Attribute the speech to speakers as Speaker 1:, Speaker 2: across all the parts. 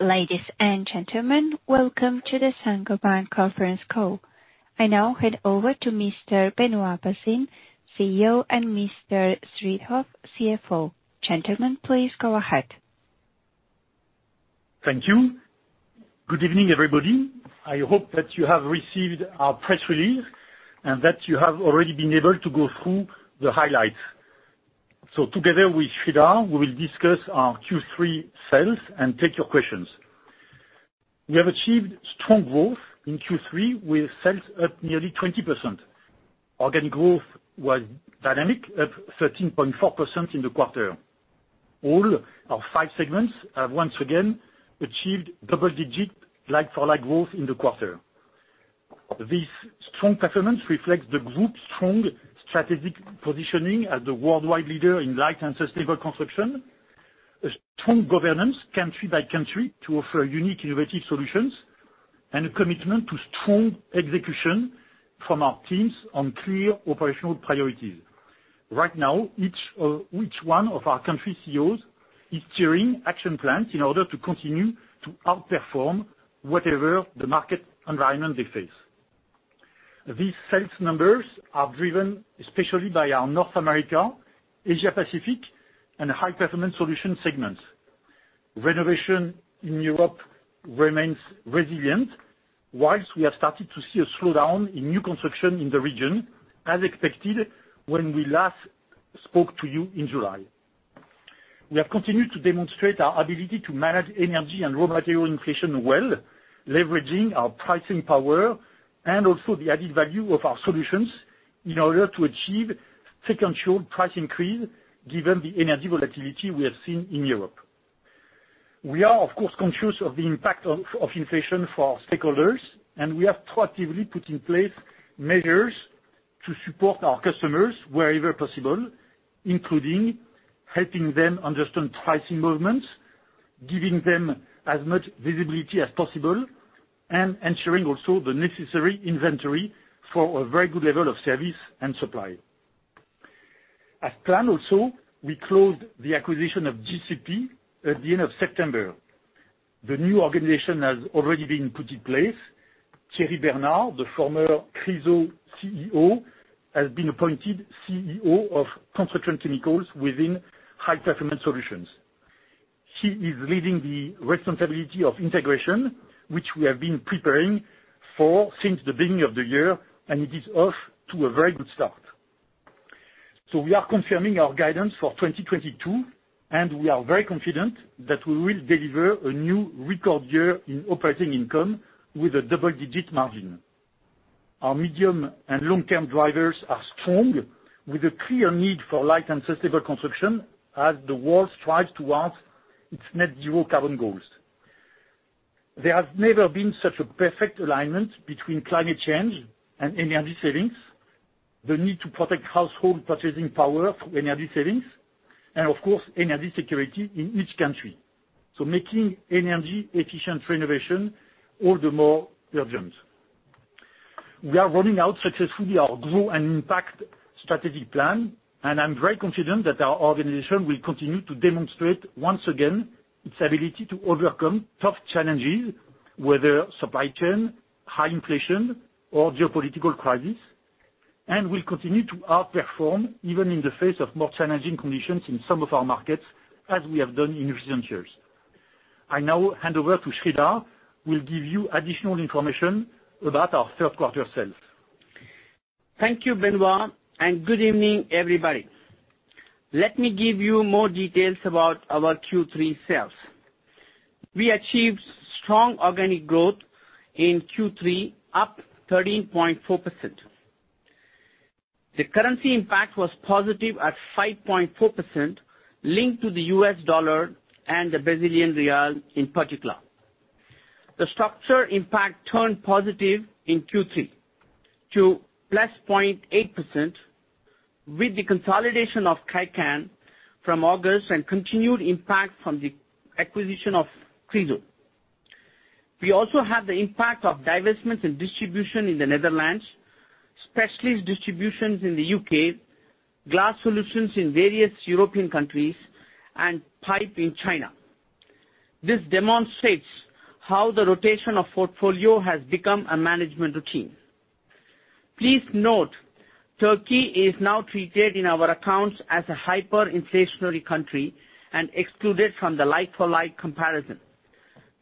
Speaker 1: Ladies and gentlemen, welcome to the Saint-Gobain conference call. I now hand over to Mr. Benoit Bazin, CEO, and Mr. Sreedhar N., CFO. Gentlemen, please go ahead.
Speaker 2: Thank you. Good evening, everybody. I hope that you have received our press release and that you have already been able to go through the highlights. Together with Sreedhar, we will discuss our Q3 sales and take your questions. We have achieved strong growth in Q3, with sales up nearly 20%. organic growth was dynamic at 13.4% in the quarter. All our five segments have once again achieved double-digit like-for-like growth in the quarter. These strong performance reflects the group's strong strategic positioning as the worldwide leader in Light and Sustainable Construction, a strong governance country-by-country to offer unique innovative solutions, and a commitment to strong execution from our teams on clear operational priorities. Right now, each one of our country CEOs is steering action plans in order to continue to outperform whatever the market environment they face. These sales numbers are driven especially by our North America, Asia-Pacific and High Performance Solutions segments. Renovation in Europe remains resilient, while we have started to see a slowdown in new construction in the region as expected when we last spoke to you in July. We have continued to demonstrate our ability to manage energy and raw material inflation well, leveraging our pricing power and also the added value of our solutions in order to achieve sequential price increase given the energy volatility we have seen in Europe. We are of course conscious of the impact of inflation for our stakeholders, and we have proactively put in place measures to support our customers wherever possible, including helping them understand pricing movements, giving them as much visibility as possible, and ensuring also the necessary inventory for a very good level of service and supply. As planned also, we closed the acquisition of GCP at the end of September. The new organization has already been put in place. Thierry Bernard, the former Chryso CEO, has been appointed CEO of Construction Chemicals within High Performance Solutions. He is leading the responsibility of integration, which we have been preparing for since the beginning of the year, and it is off to a very good start. We are confirming our guidance for 2022, and we are very confident that we will deliver a new record year in operating income with a double-digit margin. Our medium and long-term drivers are strong, with a clear need for Light and Sustainable Construction as the world strives towards its net zero carbon goals. There has never been such a perfect alignment between climate change and energy savings, the need to protect household purchasing power through energy savings, and of course, energy security in each country, so making energy efficient renovation all the more urgent. We are rolling out Grow & Impact strategic plan, and I'm very confident that our organization will continue to demonstrate once again its ability to overcome tough challenges, whether supply chain, high inflation, or geopolitical crisis, and will continue to outperform even in the face of more challenging conditions in some of our markets, as we have done in recent years. I now hand over to Sreedhar who will give you additional information about our third quarter sales.
Speaker 3: Thank you, Benoit, and good evening, everybody. Let me give you more details about our Q3 sales. We achieved strong organic growth in Q3, up 13.4%. The currency impact was positive at 5.4%, linked to the US dollar and the Brazilian real in particular. The structural impact turned positive in Q3 to +0.8% with the consolidation of Kaycan from August and continued impact from the acquisition of Chryso. We also have the impact of Divestments and Distribution in the Netherlands, Specialist Distributions in the U.K., Glass Solutions in various European countries, and Pipe in China. This demonstrates how the rotation of portfolio has become a management routine. Please note, Turkey is now treated in our accounts as a Hyperinflationary country and excluded from the like-for-like comparison.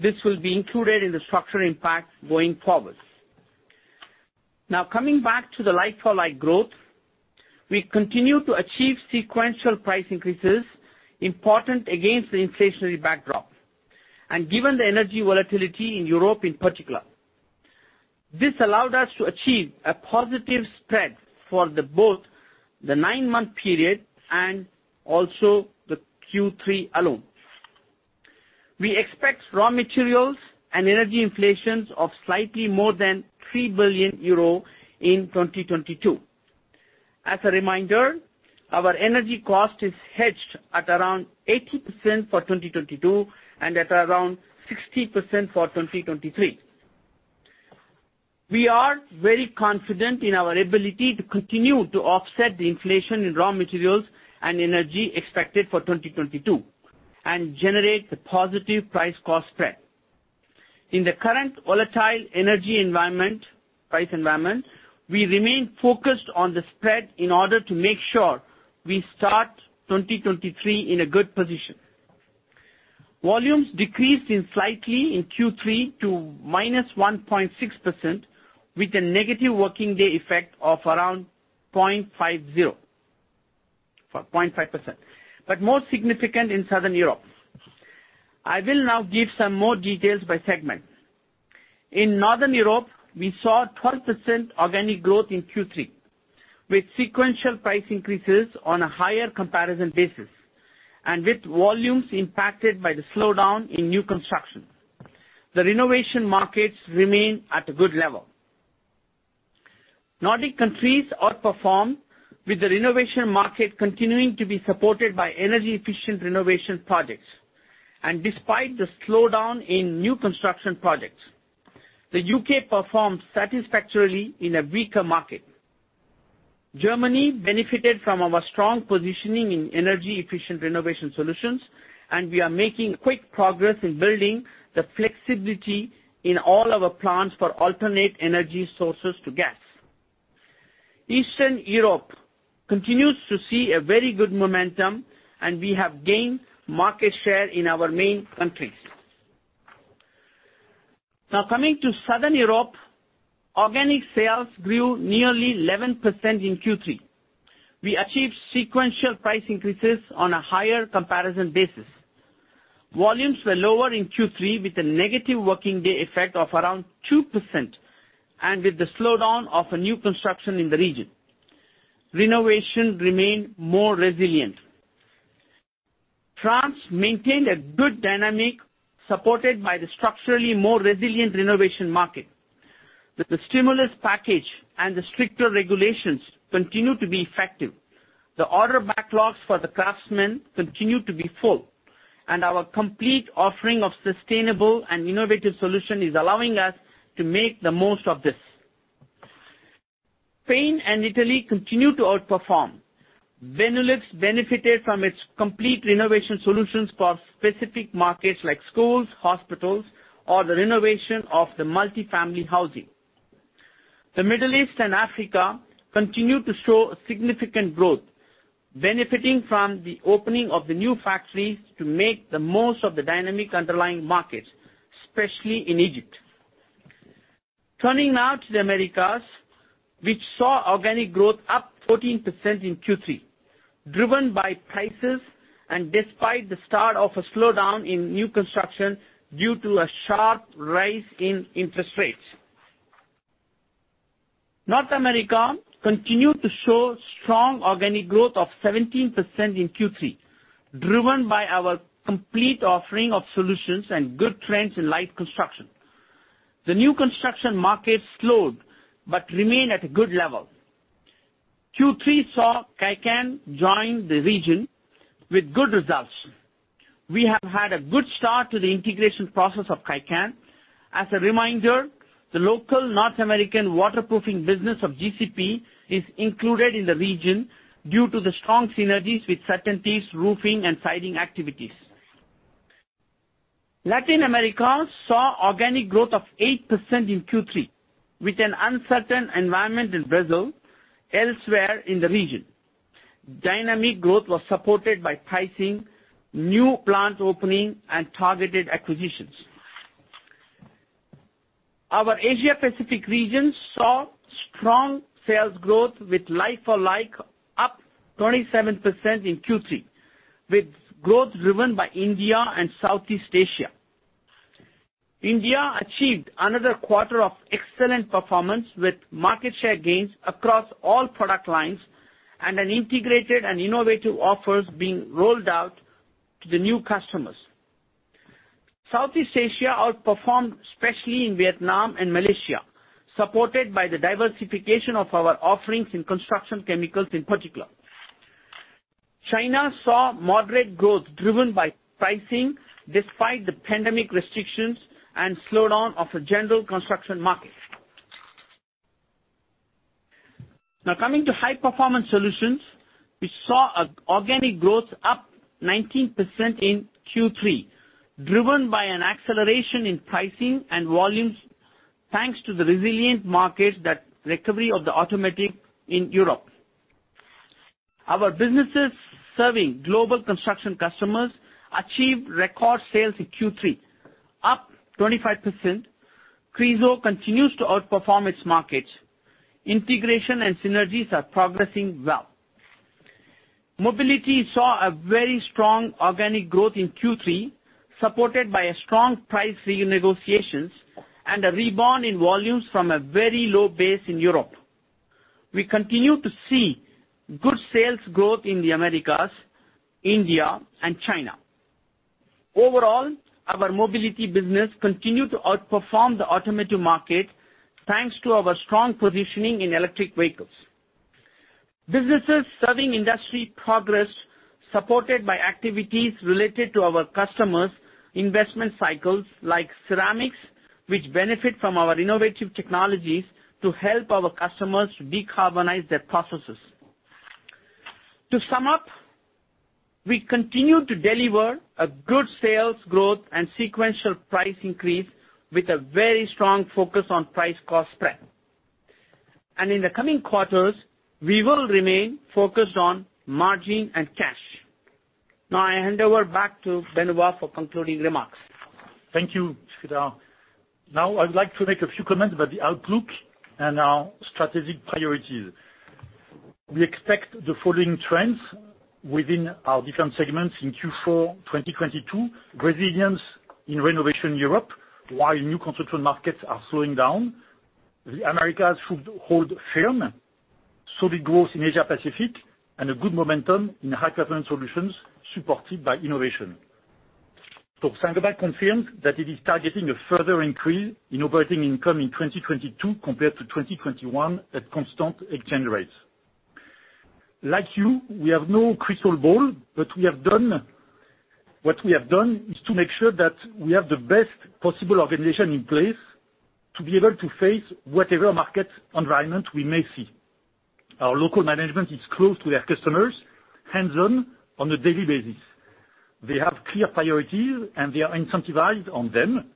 Speaker 3: This will be included in the structural impact going forward. Now, coming back to the like-for-like growth, we continue to achieve sequential price increases important against the inflationary backdrop and given the energy volatility in Europe in particular. This allowed us to achieve a positive spread for both the nine-month period and also the Q3 alone. We expect raw materials and energy inflations of slightly more than 3 billion euro in 2022. As a reminder, our energy cost is hedged at around 80% for 2022 and at around 60% for 2023. We are very confident in our ability to continue to offset the inflation in raw materials and energy expected for 2022 and generate the positive price-cost spread. In the current volatile energy environment, price environment, we remain focused on the spread in order to make sure we start 2023 in a good position. Volumes decreased slightly in Q3 to -1.6% with a negative working day effect of around 0.50%, or 0.5%, but more significant in Southern Europe. I will now give some more details by segment. In Northern Europe, we saw 12% organic growth in Q3, with sequential price increases on a higher comparison basis, and with volumes impacted by the slowdown in new construction. The Renovation markets remain at a good level. Nordic countries outperformed with the Renovation market continuing to be supported by energy-efficient renovation projects and despite the slowdown in new construction projects. The U.K. performed satisfactorily in a weaker market. Germany benefited from our strong positioning in energy-efficient renovation solutions, and we are making quick progress in building the flexibility in all our plants for alternate energy sources to gas. Eastern Europe continues to see a very good momentum, and we have gained market share in our main countries. Now coming to Southern Europe, Organic Sales grew nearly 11% in Q3. We achieved sequential price increases on a higher comparison basis. Volumes were lower in Q3 with a negative working day effect of around 2% and with the slowdown of a new construction in the region. Renovation remained more resilient. France maintained a good dynamic supported by the structurally more resilient Renovation market. The Stimulus package and the stricter regulations continue to be effective. The order backlogs for the craftsmen continue to be full, and our complete offering of sustainable and innovative solution is allowing us to make the most of this. Spain and Italy continue to outperform. Vantylis benefited from its complete renovation solutions for specific markets like schools, hospitals, or the renovation of the multifamily housing. The Middle East and Africa continue to show a significant growth, benefiting from the opening of the new factories to make the most of the dynamic underlying markets, especially in Egypt. Turning now to the Americas, which saw organic growth up 14% in Q3, driven by prices and despite the start of a slowdown in new construction due to a sharp rise in interest rates. North America continued to show strong organic growth of 17% in Q3, driven by our complete offering of solutions and good trends in light construction. The new construction market slowed but remained at a good level. Q3 saw Kaycan join the region with good results. We have had a good start to the integration process of Kaycan. As a reminder, the local North American waterproofing business of GCP is included in the region due to the strong synergies with CertainTeed's roofing and siding activities. Latin America saw organic growth of 8% in Q3 with an uncertain environment in Brazil elsewhere in the region. Dynamic growth was supported by pricing, new plant opening and targeted acquisitions. Our Asia-Pacific region saw strong sales growth with like-for-like up 27% in Q3, with growth driven by India and Southeast Asia. India achieved another quarter of excellent performance with market share gains across all product lines and an integrated and innovative offers being rolled out to the new customers. Southeast Asia outperformed, especially in Vietnam and Malaysia, supported by the diversification of our offerings in construction chemicals in particular. China saw moderate growth driven by pricing despite the pandemic restrictions and slowdown of the general construction market. Now coming to High Performance Solutions, we saw organic growth up 19% in Q3, driven by an acceleration in pricing and volumes, thanks to the resilient markets and the recovery of the automotive in Europe. Our businesses serving global construction customers achieved record sales in Q3 up 25%. Chryso continues to outperform its markets. Integration and synergies are progressing well. Mobility saw a very strong organic growth in Q3, supported by a strong price renegotiation and a rebound in volumes from a very low base in Europe. We continue to see good sales growth in the Americas, India and China. Overall, our Mobility business continued to outperform the automotive market, thanks to our strong positioning in electric vehicles. Businesses serving industry progressed supported by activities related to our customers investment cycles like ceramics, which benefit from our innovative technologies to help our customers decarbonize their processes. To sum up, we continue to deliver a good sales growth and sequential price increase with a very strong focus on price-cost spread. In the coming quarters, we will remain focused on margin and cash. Now I hand over back to Benoit for concluding remarks.
Speaker 2: Thank you, Sreedhar. Now I'd like to make a few comments about the outlook and our strategic priorities. We expect the following trends within our different segments in Q4 2022. Resilience in renovation Europe, while new construction markets are slowing down. The Americas should hold firm. Solid growth in Asia-Pacific and a good momentum in High Performance Solutions supported by Innovation. Saint-Gobain confirms that it is targeting a further increase in operating income in 2022 compared to 2021 at constant exchange rates. Like you, we have no crystal ball, but what we have done is to make sure that we have the best possible organization in place to be able to face whatever market environment we may see. Our local management is close to their customers, hands-on, on a daily basis. They have clear priorities, and they are incentivized on them,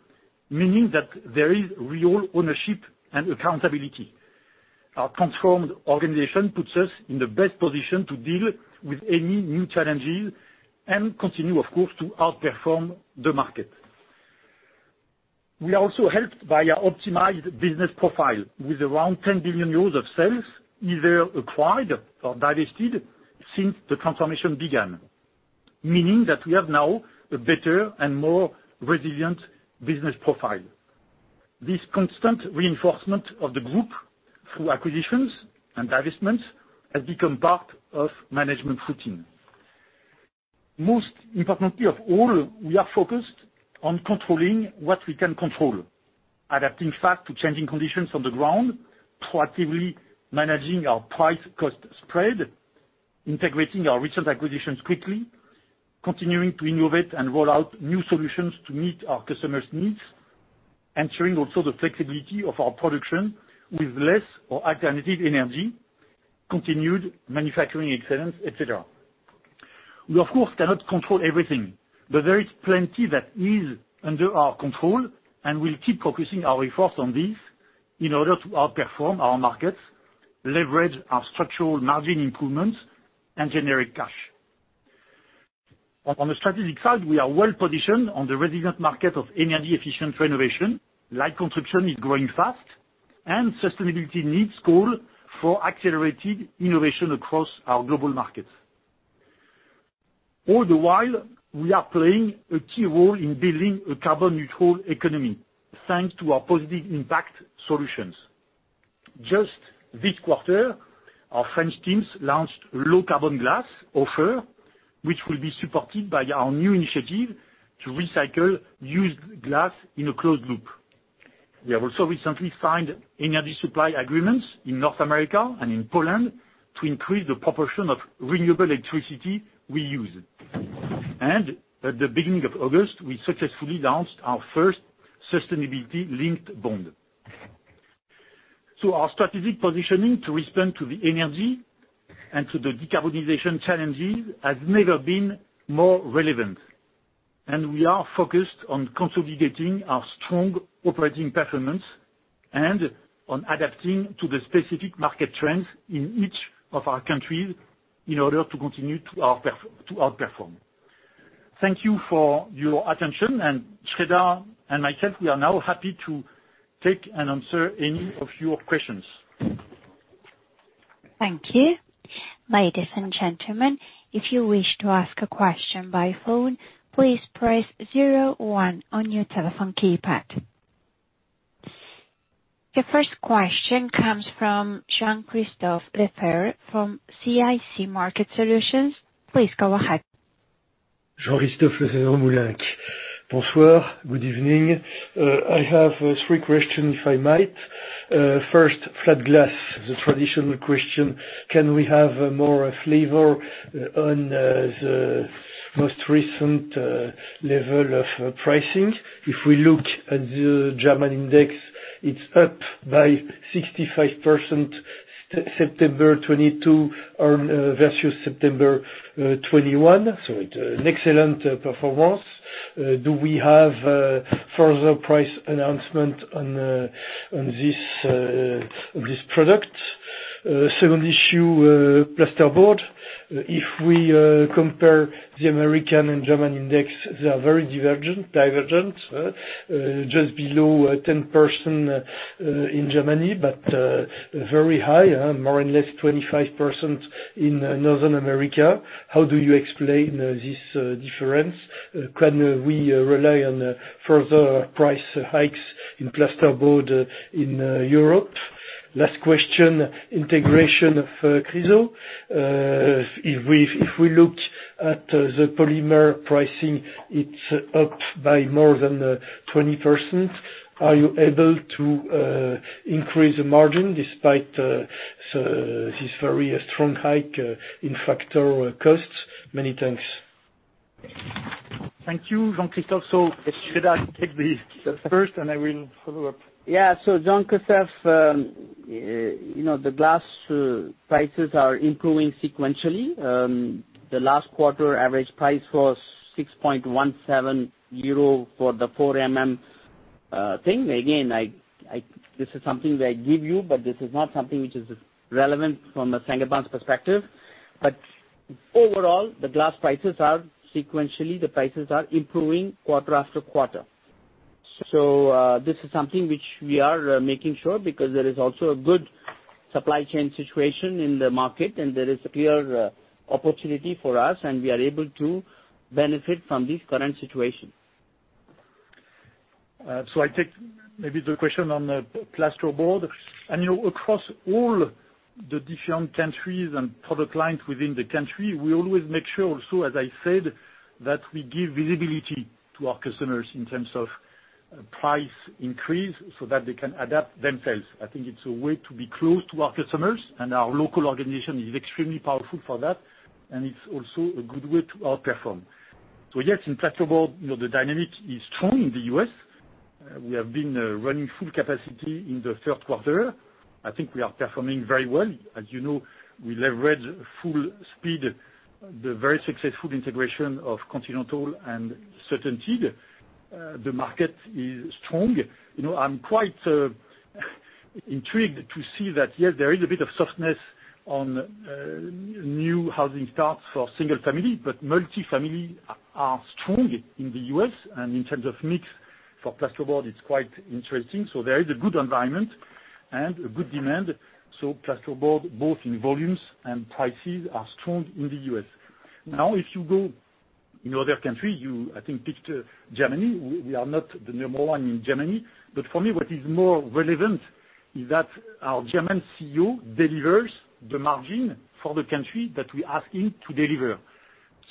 Speaker 2: meaning that there is real ownership and accountability. Our transformed organization puts us in the best position to deal with any new challenges and continue, of course, to outperform the market. We are also helped by our optimized business profile with around 10 billion euros of sales, either acquired or divested since the transformation began. Meaning that we have now a better and more resilient business profile. This constant reinforcement of the group through acquisitions and divestitures has become part of management routine. Most importantly of all, we are focused on controlling what we can control, adapting fast to changing conditions on the ground, proactively managing our price-cost spread, integrating our recent acquisitions quickly, continuing to innovate and roll out new solutions to meet our customers' needs, ensuring also the flexibility of our production with less or alternative energy, continued manufacturing excellence, et cetera. We of course cannot control everything, but there is plenty that is under our control, and we'll keep focusing our efforts on this in order to outperform our markets, leverage our structural margin improvements and generate cash. On a strategic side, we are well-positioned on the resilient market of energy-efficient renovation. Light construction is growing fast, and sustainability needs call for accelerated innovation across our global markets. All the while, we are playing a key role in building a carbon neutral economy, thanks to our positive IMPACT solutions. Just this quarter, our French teams launched low-carbon glass offer, which will be supported by our new initiative to recycle used glass in a closed loop. We have also recently signed energy supply agreements in North America and in Poland to increase the proportion of renewable electricity we use. At the beginning of August, we successfully launched our first sustainability-linked bond. Our strategic positioning to respond to the energy and to the Decarbonization challenges has never been more relevant. We are focused on consolidating our strong operating performance and on adapting to the specific market trends in each of our countries in order to continue to outperform. Thank you for your attention. Sreedhar and myself, we are now happy to take and answer any of your questions.
Speaker 1: Thank you. Ladies and gentlemen, if you wish to ask a question by phone, please press zero one on your telephone keypad. Your first question comes from Jean-Christophe Lefèvre-Moulenq from CIC Market Solutions. Please go ahead.
Speaker 4: Jean-Christophe Lefèvre-Moulenq. Bonsoir. Good evening. I have three questions, if I might. First, flat glass, the traditional question. Can we have more flavor on the most recent level of pricing? If we look at the German index, it's up by 65% September 2022 versus September 2021. So an excellent performance. Do we have further price announcement on this product? Second issue, Plasterboard. If we compare the American and German index, they are very divergent, just below 10% in Germany, but very high, more or less 25% in North America. How do you explain this difference? Can we rely on further price hikes in Plasterboard in Europe? Last question, integration of Chryso. If we look at the polymer pricing, it's up by more than 20%. Are you able to increase the margin despite so this very strong hike in factor costs? Many thanks.
Speaker 2: Thank you, Jean-Christophe. Should I take the first, and I will follow up?
Speaker 3: Jean-Christophe, you know, the glass prices are improving sequentially. The last quarter average price was 6.17 euro for the 4 MM thing. Again, this is something that I give you, but this is not something which is relevant from a Saint-Gobain's perspective. Overall, the glass prices are sequentially, the prices are improving quarter after quarter. This is something which we are making sure because there is also a good supply chain situation in the market, and there is a clear opportunity for us, and we are able to benefit from this current situation.
Speaker 2: I take maybe the question on the Plasterboard. You know, across all the different countries and product lines within the country, we always make sure also, as I said, that we give visibility to our customers in terms of price increase so that they can adapt themselves. I think it's a way to be close to our customers, and our local organization is extremely powerful for that, and it's also a good way to outperform. Yes, in Plasterboard, you know, the dynamic is strong in the U.S. We have been running full capacity in the third quarter. I think we are performing very well. As you know, we leverage full speed, the very successful integration of Continental and CertainTeed. The market is strong. You know, I'm quite intrigued to see that yes, there is a bit of softness on new housing starts for single family, but multifamily are strong in the U.S. In terms of mix for Plasterboard, it's quite interesting. There is a good environment and a good demand. Plasterboard, both in volumes and prices, are strong in the U.S. Now, if you go in other country, you, I think, picked Germany. We are not the number one in Germany. For me, what is more relevant is that our German CEO delivers the margin for the country that we ask him to deliver.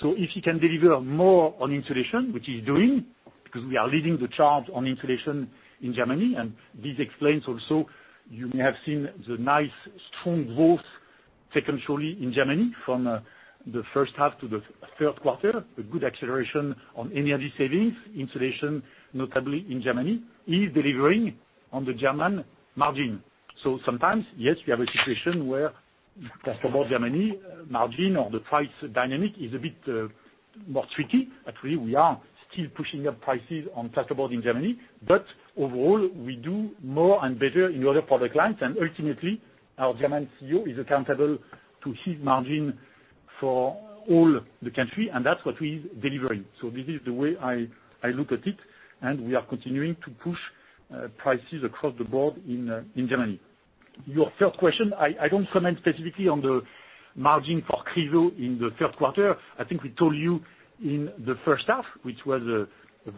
Speaker 2: If he can deliver more on insulation, which he's doing, because we are leading the charge on insulation in Germany, and this explains also, you may have seen the nice strong growth sequentially in Germany from the first half to the third quarter, a good acceleration on energy savings. Insulation, notably in Germany, is delivering on the German margin. Sometimes, yes, we have a situation where Plasterboard Germany margin or the price dynamic is a bit more tricky. Actually, we are still pushing up prices on Plasterboard in Germany. Overall, we do more and better in other product lines. Ultimately, our German CEO is accountable to his margin for all the country, and that's what he's delivering. This is the way I look at it, and we are continuing to push prices across the board in Germany. Your third question, I don't comment specifically on the margin for Chryso in the third quarter. I think we told you in the first half, which was a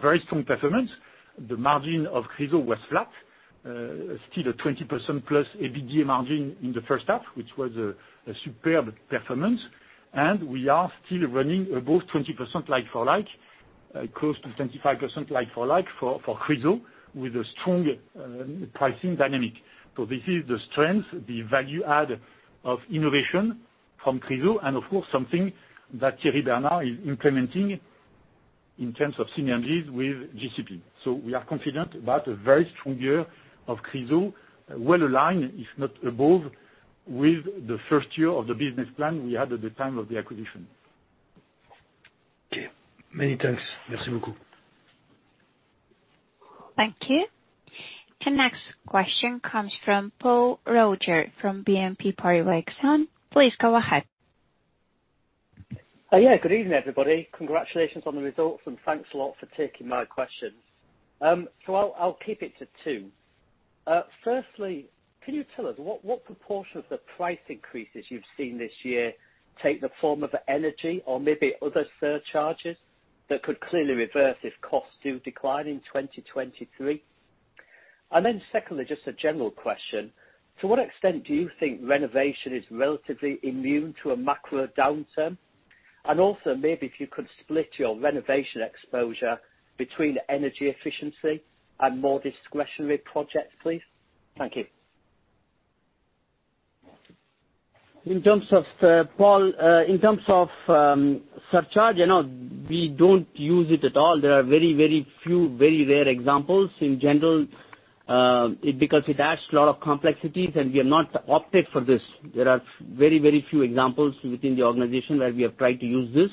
Speaker 2: very strong performance. The margin of Chryso was flat, still a 20%+ EBITDA margin in the first half, which was a superb performance. We are still running above 20% like-for-like, close to 25% like-for-like for Chryso, with a strong pricing dynamic. This is the strength, the value add of innovation from Chryso and of course something that Thierry Bernard is implementing in terms of synergies with GCP. We are confident about a very strong year of Chryso, well aligned, if not above, with the first year of the business plan we had at the time of the acquisition.
Speaker 4: Okay, many thanks. Merci beaucoup.
Speaker 1: Thank you. The next question comes from Paul Roger from BNP Paribas. Please go ahead.
Speaker 5: Yeah, good evening, everybody. Congratulations on the results, and thanks a lot for taking my questions. I'll keep it to two. Firstly, can you tell us what proportion of the price increases you've seen this year take the form of energy or maybe other surcharges that could clearly reverse if costs do decline in 2023? Then secondly, just a general question, to what extent do you think renovation is relatively immune to a macro downturn? Also maybe if you could split your renovation exposure between energy efficiency and more discretionary projects, please. Thank you.
Speaker 3: In terms of surcharge, Paul, you know, we don't use it at all. There are very few, very rare examples in general because it adds a lot of complexities, and we have not opted for this. There are very few examples within the organization where we have tried to use this.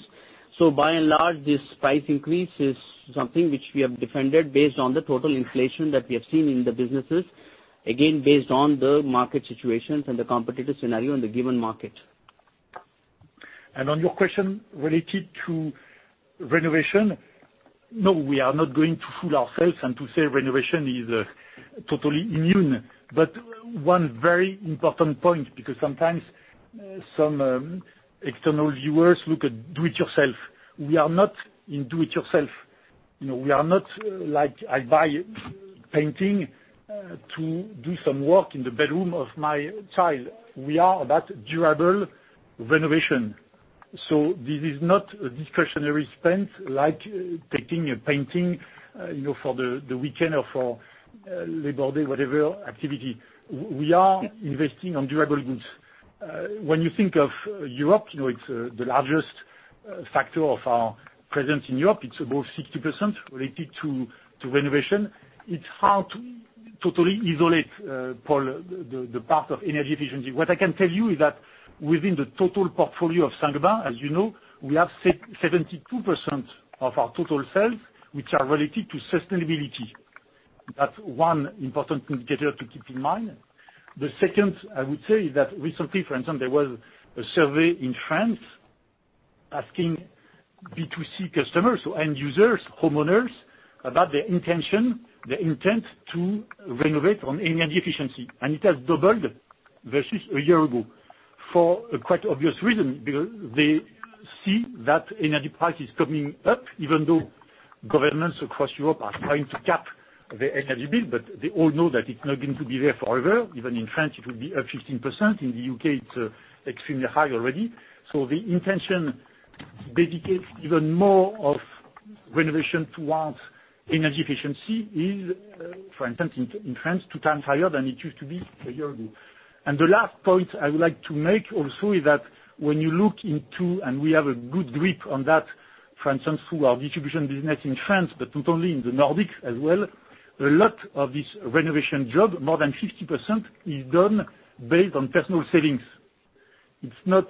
Speaker 3: By and large, this price increase is something which we have defended based on the total inflation that we have seen in the businesses, again based on the market situations and the competitive scenario in the given market.
Speaker 2: On your question related to renovation, no, we are not going to fool ourselves and to say renovation is totally immune. One very important point, because sometimes some external viewers look at do it yourself. We are not in do it yourself. You know, we are not like I buy paint to do some work in the bedroom of my child. We are that durable renovation. This is not a discretionary spend like taking paint, you know, for the weekend or for Labor Day, whatever activity. We are investing on durable goods. When you think of Europe, you know, it's the largest factor of our presence in Europe. It's above 60% related to renovation. It's hard to totally isolate, Paul, the part of energy efficiency. What I can tell you is that within the total portfolio of Saint-Gobain, as you know, we have 72% of our total sales which are related to sustainability. That's one important indicator to keep in mind. The second, I would say is that recently, for instance, there was a survey in France asking B2C customers, so end users, homeowners, about their intention, their intent to renovate on energy efficiency. It has doubled versus a year ago for a quite obvious reason, because they see that energy price is coming up, even though governments across Europe are trying to cap the energy bill, but they all know that it's not going to be there forever. Even in France, it will be up 15%. In the U.K., it's extremely high already. The intention to dedicate even more to renovation towards energy efficiency is, for instance, in France, two times higher than it used to be a year ago. The last point I would like to make also is that when you look into, and we have a good grip on that, for instance, through our distribution business in France, but not only, in the Nordics as well, a lot of this renovation job, more than 50%, is done based on personal savings. It's not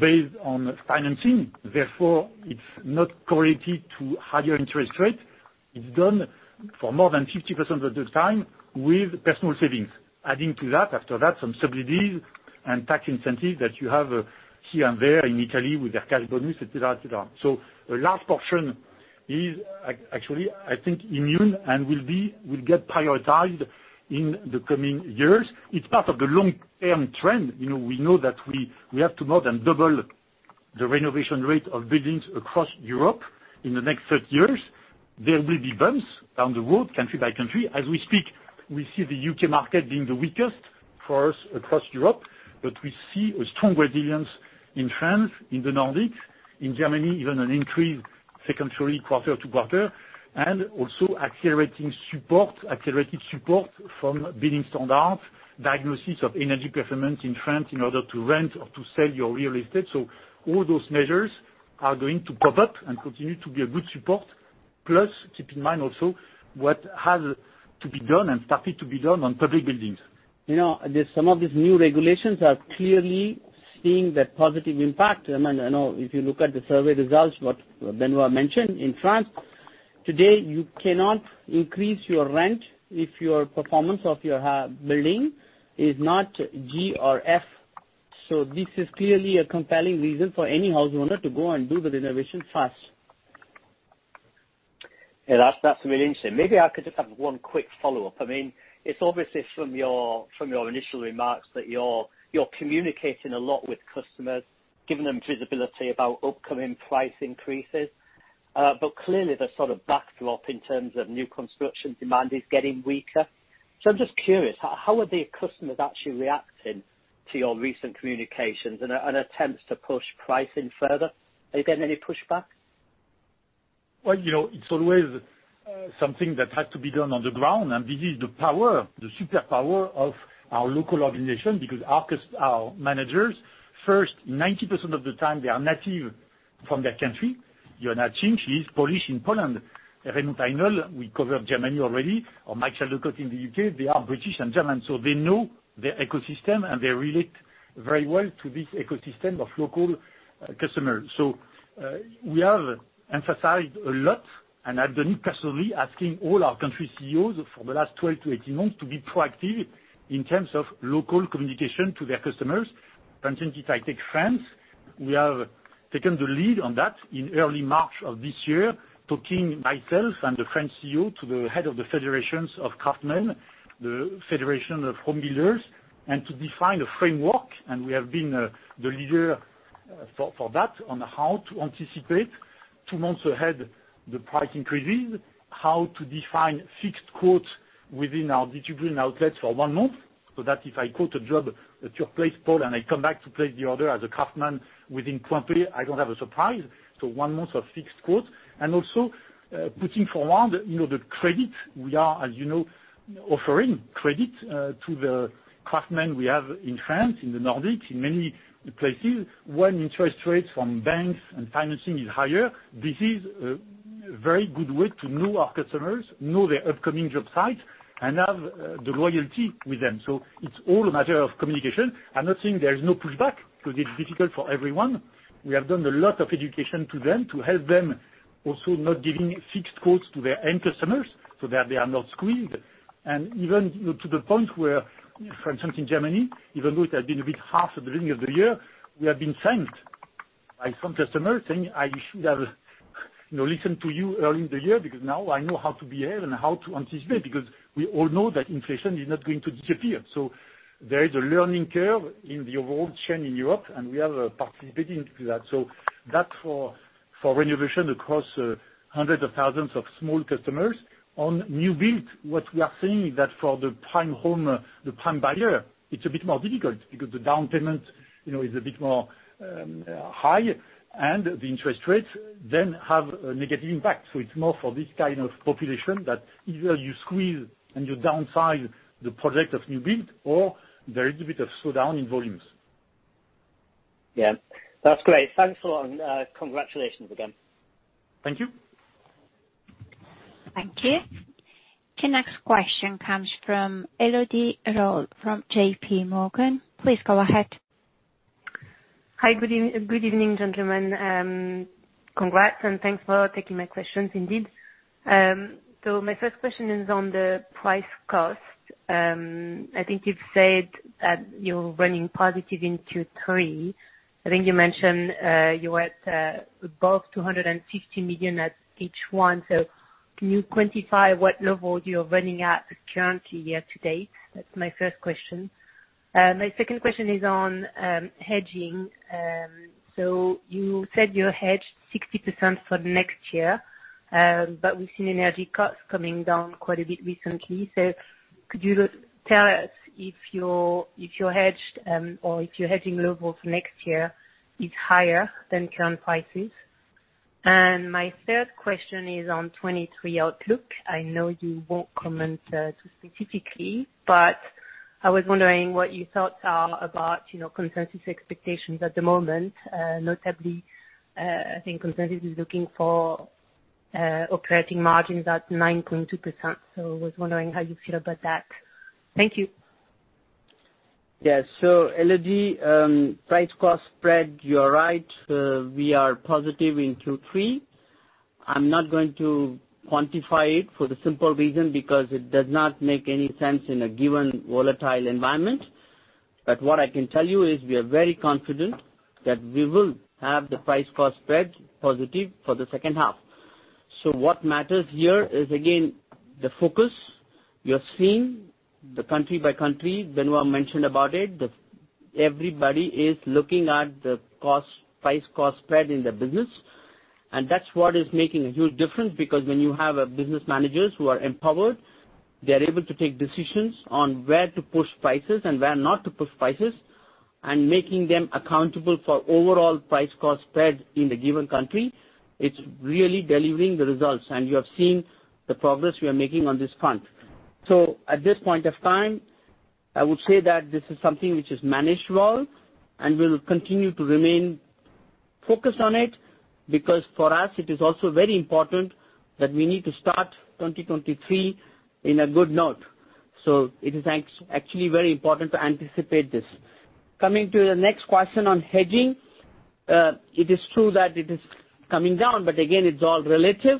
Speaker 2: based on financing, therefore it's not correlated to higher interest rate. It's done for more than 50% of the time with personal savings. Adding to that, after that, some subsidies and tax incentives that you have here and there in Italy with their cash bonus, etcetera. A large portion is actually, I think, immune and will get prioritized in the coming years. It's part of the long-term trend. You know, we know that we have to more than double the renovation rate of buildings across Europe in the next 30 years. There will be bumps down the road, country by country. As we speak, we see the U.K. market being the weakest for us across Europe, but we see a strong resilience in France, in the Nordics, in Germany, even an increase sequentially quarter-to-quarter. Accelerated support from building standards, diagnosis of energy performance in France in order to rent or to sell your real estate. All those measures are going to pop up and continue to be a good support. Plus, keep in mind also what has to be done and started to be done on public buildings.
Speaker 3: You know, there's some of these new regulations are clearly seeing that positive impact. I mean, I know if you look at the survey results, what Benoit mentioned, in France today, you cannot increase your rent if your performance of your building is not G or F. This is clearly a compelling reason for any house owner to go and do the renovation fast.
Speaker 5: Yeah, that's really interesting. Maybe I could just have one quick follow-up. I mean, it's obviously from your initial remarks that you're communicating a lot with customers, giving them visibility about upcoming price increases. Clearly the sort of backdrop in terms of new construction demand is getting weaker. I'm just curious, how are the customers actually reacting to your recent communications and attempts to push pricing further? Are you getting any pushbacks?
Speaker 2: Well, you know, it's always something that has to be done on the ground, and this is the power, the superpower of our local organization, because our managers, first, 90% of the time they are native from their country. Joanna Czynsz-Piechowiak, she is Polish in Poland. Raimund Heinl, we covered Germany already, or Mike Chaldecott in the U.K., they are British and German, so they know their ecosystem, and they relate very well to this ecosystem of local customers. We have emphasized a lot, and I've done it personally, asking all our country CEOs for the last 12-18 months to be proactive in terms of local communication to their customers. For instance, if I take France, we have taken the lead on that in early March of this year, taking myself and the French CEO to the Head of the Federations of craftsmen, the Federation of Home Builders, and to define a framework, and we have been the leader for that on how to anticipate two months ahead the price increases, how to define fixed quotes within our distribution outlets for one month, so that if I quote a job at your place, Paul, and I come back to place the order as a craftsman within Point.P, I don't have a surprise. One month of fixed quotes. Also, putting forward, you know, the credit we are, as you know, offering credit to the craftsmen we have in France, in the Nordics, in many places. When interest rates from banks and financing is higher, this is a very good way to know our customers, know their upcoming job sites, and have the loyalty with them. It's all a matter of communication. I'm not saying there is no pushback because it's difficult for everyone. We have done a lot of education to them to help them also not giving fixed quotes to their end customers so that they are not squeezed. Even, you know, to the point where, for instance, in Germany, even though it has been a bit hard at the beginning of the year, we have been thanked by some customers, saying, "I should have, you know, listened to you early in the year because now I know how to behave and how to anticipate," because we all know that inflation is not going to disappear. There is a learning curve in the overall chain in Europe, and we are participating in that. That's for renovation across hundreds of thousands of small customers. On new build, what we are seeing is that for the prime home, the prime buyer, it's a bit more difficult because the down payment, you know, is a bit more high and the interest rates then have a negative impact. It's more for this kind of population that either you squeeze and you downsize the project or new build, or there is a bit of slowdown in volumes.
Speaker 5: Yeah. That's great. Thanks a lot. Congratulations again.
Speaker 2: Thank you.
Speaker 1: Thank you. The next question comes from Elodie Rall from JPMorgan. Please go ahead.
Speaker 6: Hi. Good evening, gentlemen. Congrats, and thanks for taking my questions indeed. My first question is on the price cost. I think you've said that you're running positive in Q3. I think you mentioned you were at above 250 million at H1. Can you quantify what level you're running at currently year to date? That's my first question. My second question is on hedging. You said you're hedged 60% for next year, but we've seen energy costs coming down quite a bit recently. Could you tell us if you're hedged or if your hedging level for next year is higher than current prices? My third question is on 2023 outlook. I know you won't comment too specifically, but I was wondering what your thoughts are about, you know, consensus expectations at the moment. Notably, I think consensus is looking for operating margins at 9.2%, so I was wondering how you feel about that. Thank you.
Speaker 3: Yes. Elodie, price-cost spread, you are right. We are positive in Q3. I'm not going to quantify it for the simple reason because it does not make any sense in a given volatile environment. What I can tell you is we are very confident that we will have the price-cost spread positive for the second half. What matters here is, again, the focus. You have seen the country by country, Benoit mentioned about it. Everybody is looking at the cost, price-cost spread in the business, and that's what is making a huge difference because when you have business managers who are empowered, they're able to take decisions on where to push prices and where not to push prices, and making them accountable for overall price-cost spread in the given country. It's really delivering the results, and you have seen the progress we are making on this front. At this point of time, I would say that this is something which is manageable, and we'll continue to remain focused on it because for us it is also very important that we need to start 2023 on a good note. It is actually very important to anticipate this. Coming to the next question on hedging. It is true that it is coming down, but again it's all relative.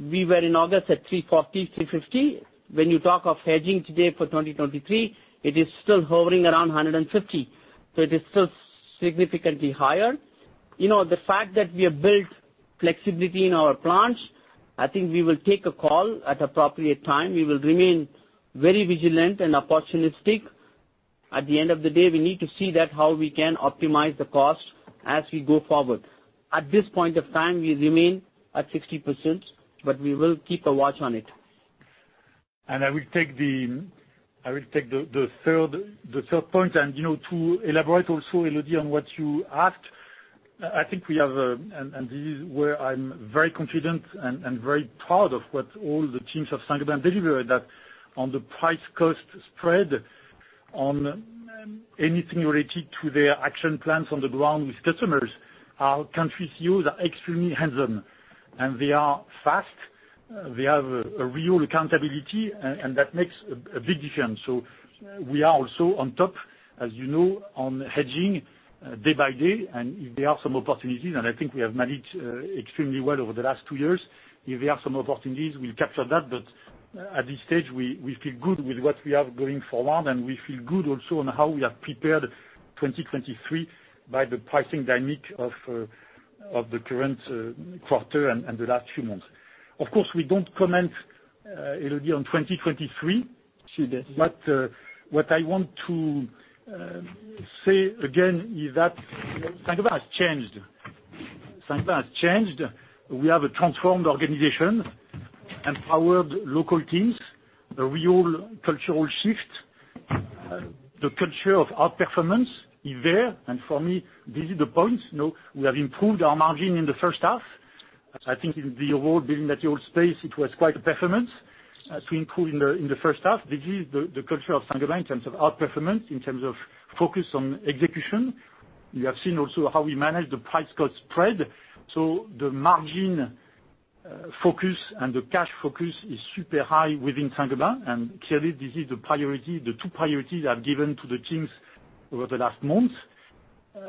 Speaker 3: We were in August at 340-350. When you talk of hedging today for 2023, it is still hovering around 150, so it is still significantly higher. You know, the fact that we have built flexibility in our plans, I think we will take a call at appropriate time. We will remain very vigilant and opportunistic. At the end of the day, we need to see that how we can optimize the cost as we go forward. At this point of time, we remain at 60%, but we will keep a watch on it.
Speaker 2: I will take the third point. You know, to elaborate also, Elodie, on what you asked, I think we have a this is where I'm very confident and very proud of what all the teams of Saint-Gobain delivered. That on the price-cost spread on anything related to their action plans on the ground with customers, our country CEOs are extremely hands-on, and they are fast. They have a real accountability and that makes a big difference. We are also on top, as you know, on hedging day by day. If there are some opportunities, and I think we have managed extremely well over the last two years, we'll capture that. At this stage, we feel good with what we have going forward, and we feel good also on how we have prepared 2023 by the pricing dynamic of the current quarter and the last few months. Of course, we don't comment, Elodie, on 2023.
Speaker 6: Yes.
Speaker 2: What I want to say again is that Saint-Gobain has changed. Saint-Gobain has changed. We have a transformed organization, empowered local teams, a real cultural shift. The culture of outperformance is there, and for me this is the point. You know, we have improved our margin in the first half. I think in the overall building materials space it was quite a performance to improve in the first half. This is the culture of Saint-Gobain in terms of outperformance, in terms of focus on execution. You have seen also how we manage the price-cost spread. The margin focus and the cash focus is super high within Saint-Gobain, and clearly this is the priority, the two priorities I've given to the teams over the last months.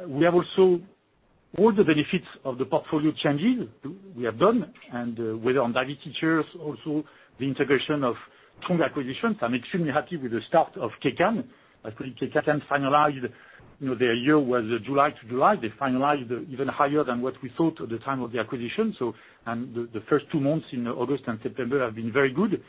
Speaker 2: We have also all the benefits of the portfolio changes we have done and, whether on divestitures, also the integration of strong acquisitions. I'm extremely happy with the start of Kaycan. Actually, Kaycan finalized, you know, their year was July to July. They finalized even higher than what we thought at the time of the acquisition. The first two months in August and September have been very good.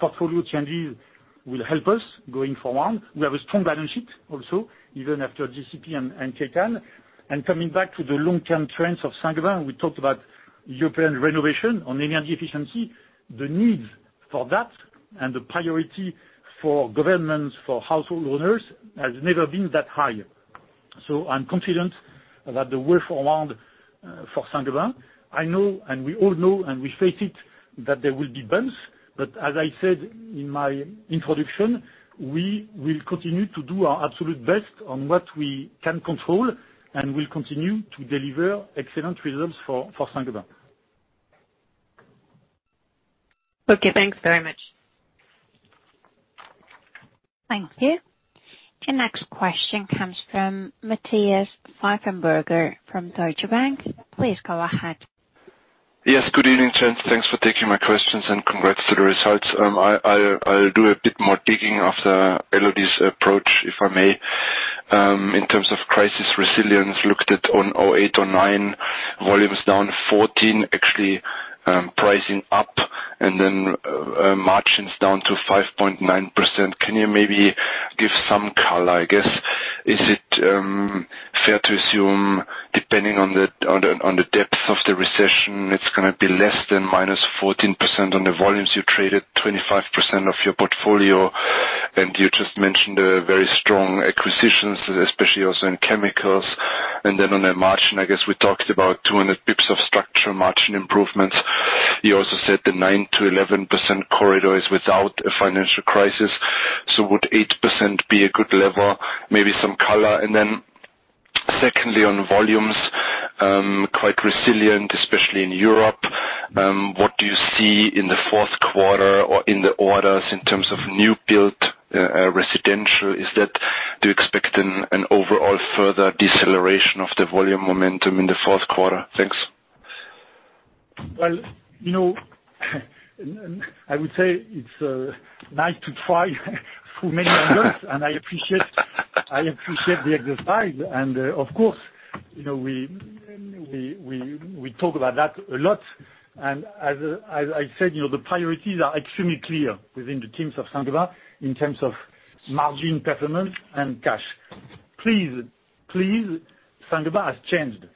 Speaker 2: Portfolio changes will help us going forward. We have a strong balance sheet also, even after GCP and Kaycan. Coming back to the long-term trends of Saint-Gobain, we talked about European renovation on energy efficiency, the needs for that and the priority for governments, for household owners has never been that high. I'm confident about the way forward for Saint-Gobain. I know, and we all know, and we face it, that there will be bumps, but as I said in my introduction, we will continue to do our absolute best on what we can control, and we'll continue to deliver excellent results for Saint-Gobain.
Speaker 6: Okay, thanks very much.
Speaker 1: Thank you. The next question comes from Matthias Pfeifenberger from Deutsche Bank. Please go ahead.
Speaker 7: Yes, good evening, gents. Thanks for taking my questions, and congrats to the results. I'll do a bit more digging of the Elodie's approach, if I may. In terms of crisis resilience, looked at on 2008-2009, volumes down 14%, actually, pricing up and then, margins down to 5.9%. Can you maybe give some color, I guess? Is it fair to assume, depending on the depth of the recession, it's gonna be less than -14% on the volumes. You traded 25% of your portfolio, and you just mentioned a very strong acquisitions, especially also in chemicals. On the margin, I guess we talked about 200 basis points of structural margin improvements. You also said the 9%-11% corridor is without a financial crisis, so would 8% be a good level? Maybe some color. Then secondly, on volumes, quite resilient, especially in Europe, what do you see in the fourth quarter or in the orders in terms of new build, residential? Do you expect an overall further deceleration of the volume momentum in the fourth quarter? Thanks.
Speaker 2: You know, I would say it's nice to try for many angles. I appreciate the exercise. Of course, you know, we talk about that a lot. As I said, you know, the priorities are extremely clear within the teams of Saint-Gobain in terms of margin performance and cash. Please, Saint-Gobain has changed,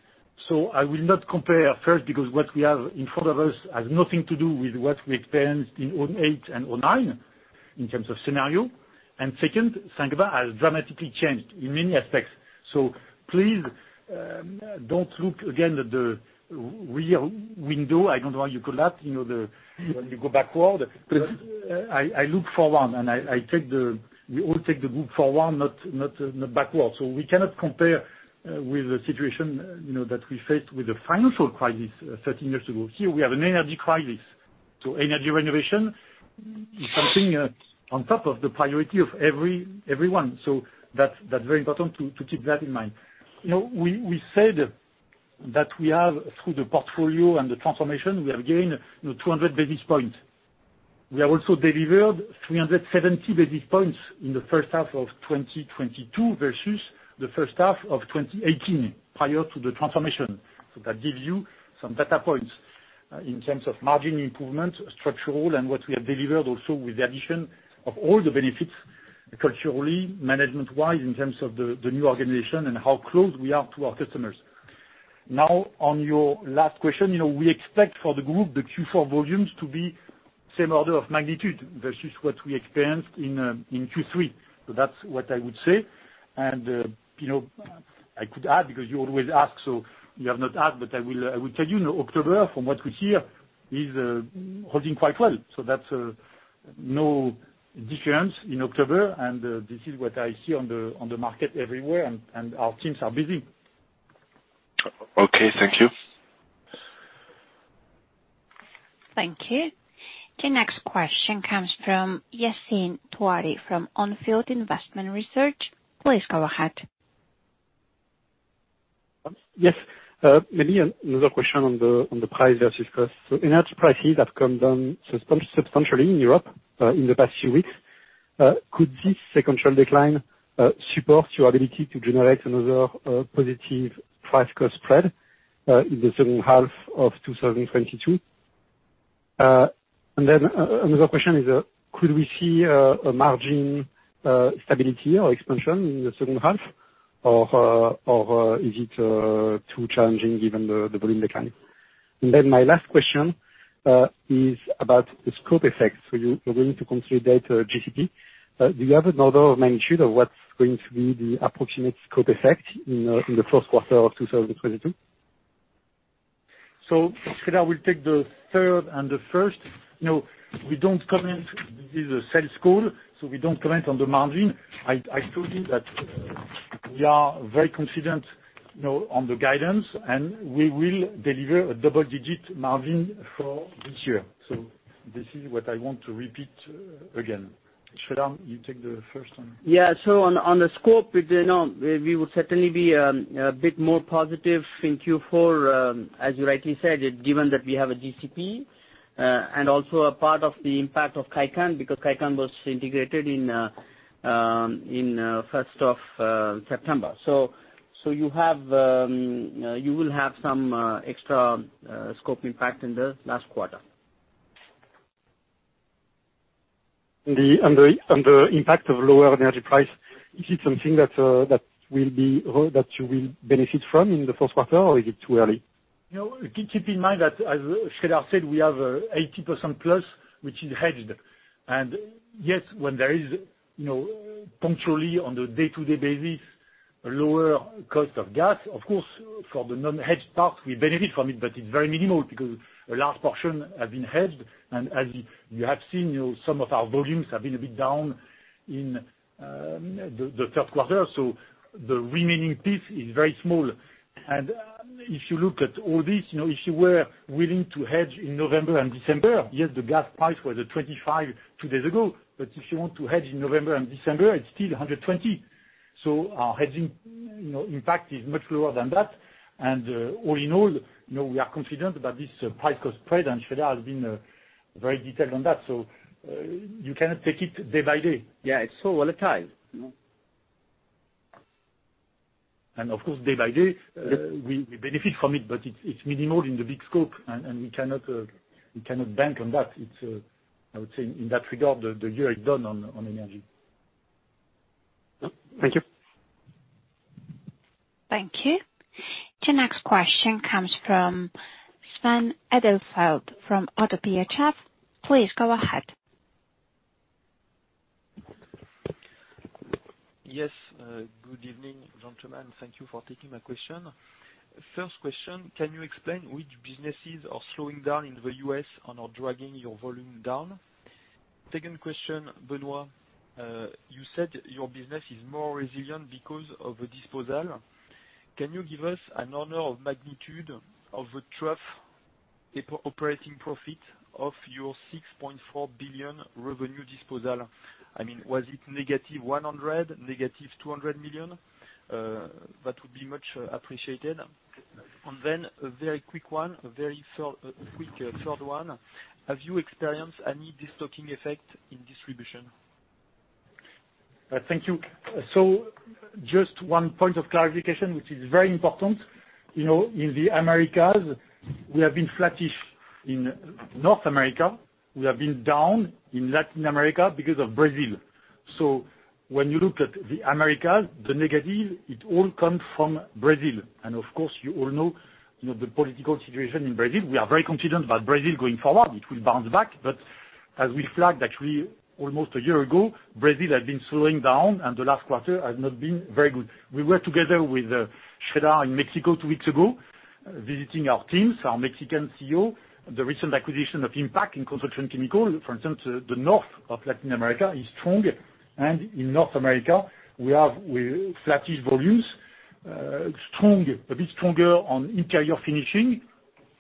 Speaker 2: so I will not compare, first, because what we have in front of us has nothing to do with what we experienced in 2008 and 2009 in terms of scenario. Second, Saint-Gobain has dramatically changed in many aspects. Please, don't look again at the rear window. I don't know how you call that, you know, the when you go backward. I look forward, and we all take the group forward, not backward. We cannot compare, with the situation, you know, that we faced with the financial crisis 13 years ago. Here we have an energy crisis, so Energy Renovation is something on top of the priority of everyone. That's very important to keep that in mind. You know, we said that we have, through the portfolio and the transformation, we have gained, you know, 200 basis points. We have also delivered 370 basis points in the first half of 2022 versus the first half of 2018, prior to the transformation. That gives you some data points in terms of margin improvement, structural, and what we have delivered also with the addition of all the benefits culturally, management-wise, in terms of the new organization and how close we are to our customers. Now, on your last question, you know, we expect for the group, the Q4 volumes to be same order of magnitude versus what we experienced in Q3. That's what I would say. You know, I could add, because you always ask, so you have not asked, but I will tell you know, October, from what we hear, is holding quite well. That's no difference in October, and this is what I see on the market everywhere, and our teams are busy.
Speaker 7: Okay, thank you.
Speaker 1: Thank you. The next question comes from Yassine Touahri from On Field Investment Research. Please go ahead.
Speaker 8: Yes. Maybe another question on the price versus cost. Energy prices have come down substantially in Europe in the past few weeks. Could this sequential decline support your ability to generate another positive price-cost spread in the second half of 2022? Another question is, could we see a margin stability or expansion in the second half? Or is it too challenging given the volume decline? My last question is about the scope effects for you agreeing to consolidate GCP. Do you have an order of magnitude of what's going to be the approximate scope effect in the first quarter of 2022?
Speaker 2: Sreedhar will take the third and the first. You know, we don't comment, this is a sales call, so we don't comment on the margin. I told you that we are very confident, you know, on the guidance, and we will deliver a double-digit margin for this year. This is what I want to repeat again. Sreedhar, you take the first one.
Speaker 3: Yeah. On the scope with the, you know, we will certainly be a bit more positive in Q4, as you rightly said, given that we have a GCP and also a part of the impact of Kaycan, because Kaycan was integrated in first of September.
Speaker 2: You will have some extra scope IMPAC in the last quarter.
Speaker 8: The impact of lower energy prices, is it something that you will benefit from in the first quarter, or is it too early?
Speaker 2: No, keep in mind that as Sreedhar said, we have 80%+, which is hedged. Yes, when there is, you know, punctually on the day-to-day basis, a lower cost of gas, of course, for the non-hedged part, we benefit from it, but it's very minimal because a large portion has been hedged. As you have seen, you know, some of our volumes have been a bit down in the third quarter, so the remaining piece is very small. If you look at all this, you know, if you were willing to hedge in November and December, yes, the gas price was at 25 two days ago. But if you want to hedge in November and December, it's still 120. Our hedging, you know, IMPAC is much lower than that. All in all, you know, we are confident about this price-cost spread, and Sreedhar has been very detailed on that. You cannot take it day by day. Yeah, it's so volatile, you know. Of course, day by day. Yes. We benefit from it, but it's minimal in the big scope and we cannot bank on that. It's, I would say in that regard, the year is done on energy.
Speaker 8: Thank you.
Speaker 1: Thank you. The next question comes from Sven Edelfelt from ODDO BHF. Please go ahead.
Speaker 9: Yes. Good evening, gentlemen. Thank you for taking my question. First question, can you explain which businesses are slowing down in the U.S. and are dragging your volume down? Second question, Benoit, you said your business is more resilient because of the disposal. Can you give us an order of magnitude of the trough EBITDA of your 6.4 billion revenue disposal? I mean, was it negative 100 million, negative 200 million? That would be much appreciated. Then a very quick one, a very quick third one, have you experienced any destocking effect in distribution?
Speaker 2: Thank you. Just one point of clarification, which is very important. You know, in the Americas, we have been flattish in North America. We have been down in Latin America because of Brazil. When you look at the Americas, the negative, it all comes from Brazil. Of course, you all know, you know the political situation in Brazil. We are very confident that Brazil going forward, it will bounce back. As we flagged actually almost a year ago, Brazil had been slowing down and the last quarter has not been very good. We were together with Sreedhar in Mexico two weeks ago, visiting our teams, our Mexican CEO, the recent acquisition of IMPAC in Construction Chemicals, for instance, the north of Latin America is strong. In North America, we're flattish volumes, strong, a bit stronger on interior finishing,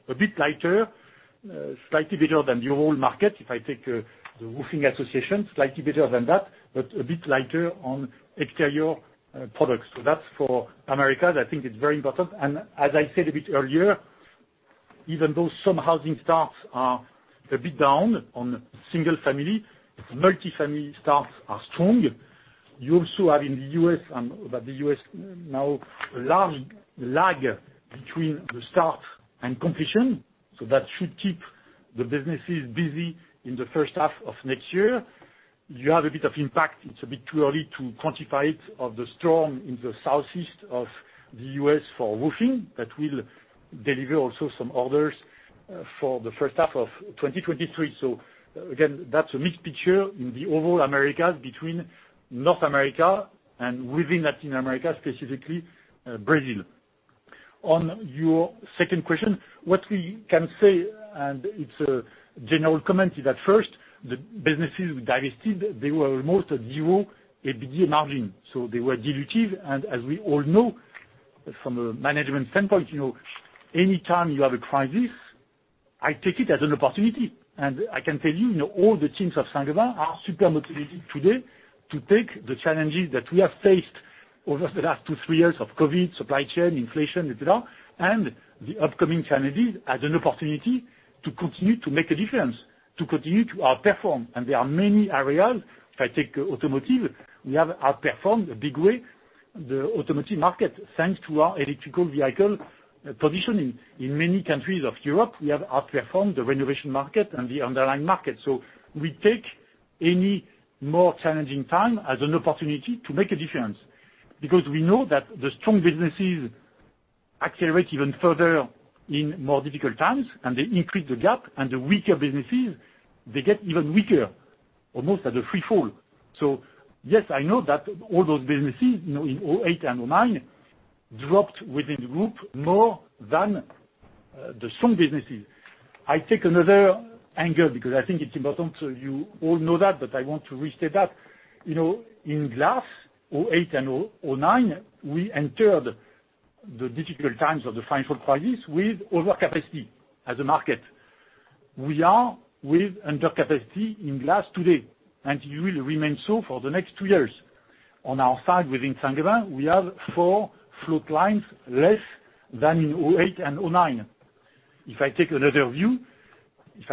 Speaker 2: a bit lighter, slightly better than the whole market. If I take the roofing association, slightly better than that, but a bit lighter on exterior products. That's for Americas. I think it's very important. As I said a bit earlier, even though some housing starts are a bit down on single family, multifamily starts are strong. You also have in the U.S., but the U.S. now, a large lag between the start and completion, so that should keep the businesses busy in the first half of next year. You have a bit of impact, it's a bit too early to quantify it, of the storm in the southeast of the U.S. for roofing. That will deliver also some orders for the first half of 2023. Again, that's a mixed picture in the overall Americas between North America and within Latin America, specifically, Brazil. On your second question, what we can say, and it's a general comment, is at first, the businesses we divested, they were almost at zero EBITDA margin, so they were dilutive. As we all know from a management standpoint, you know, anytime you have a crisis, I take it as an opportunity. I can tell you know, all the teams of Saint-Gobain are super motivated today to take the challenges that we have faced over the last two, three years of COVID, supply chain, inflation, etc., and the upcoming challenges as an opportunity to continue to make a difference, to continue to outperform. There are many areas. If I take automotive, we have outperformed a big way the automotive market, thanks to our electric vehicle positioning. In many countries of Europe, we have outperformed the renovation market and the underlying market. We take any more challenging time as an opportunity to make a difference because we know that the strong businesses accelerate even further in more difficult times, and they increase the gap. The weaker businesses, they get even weaker, almost at a free fall. Yes, I know that all those businesses, you know, in 2008 and 2009, dropped within the group more than the strong businesses. I take another angle because I think it's important, so you all know that, but I want to restate that. You know, in glass, 2008 and 2009, we entered the difficult times of the financial crisis with overcapacity as a market. We are with undercapacity in glass today, and it will remain so for the next two years. On our side, within Saint-Gobain, we have four float lines, less than in 2008 and 2009. If I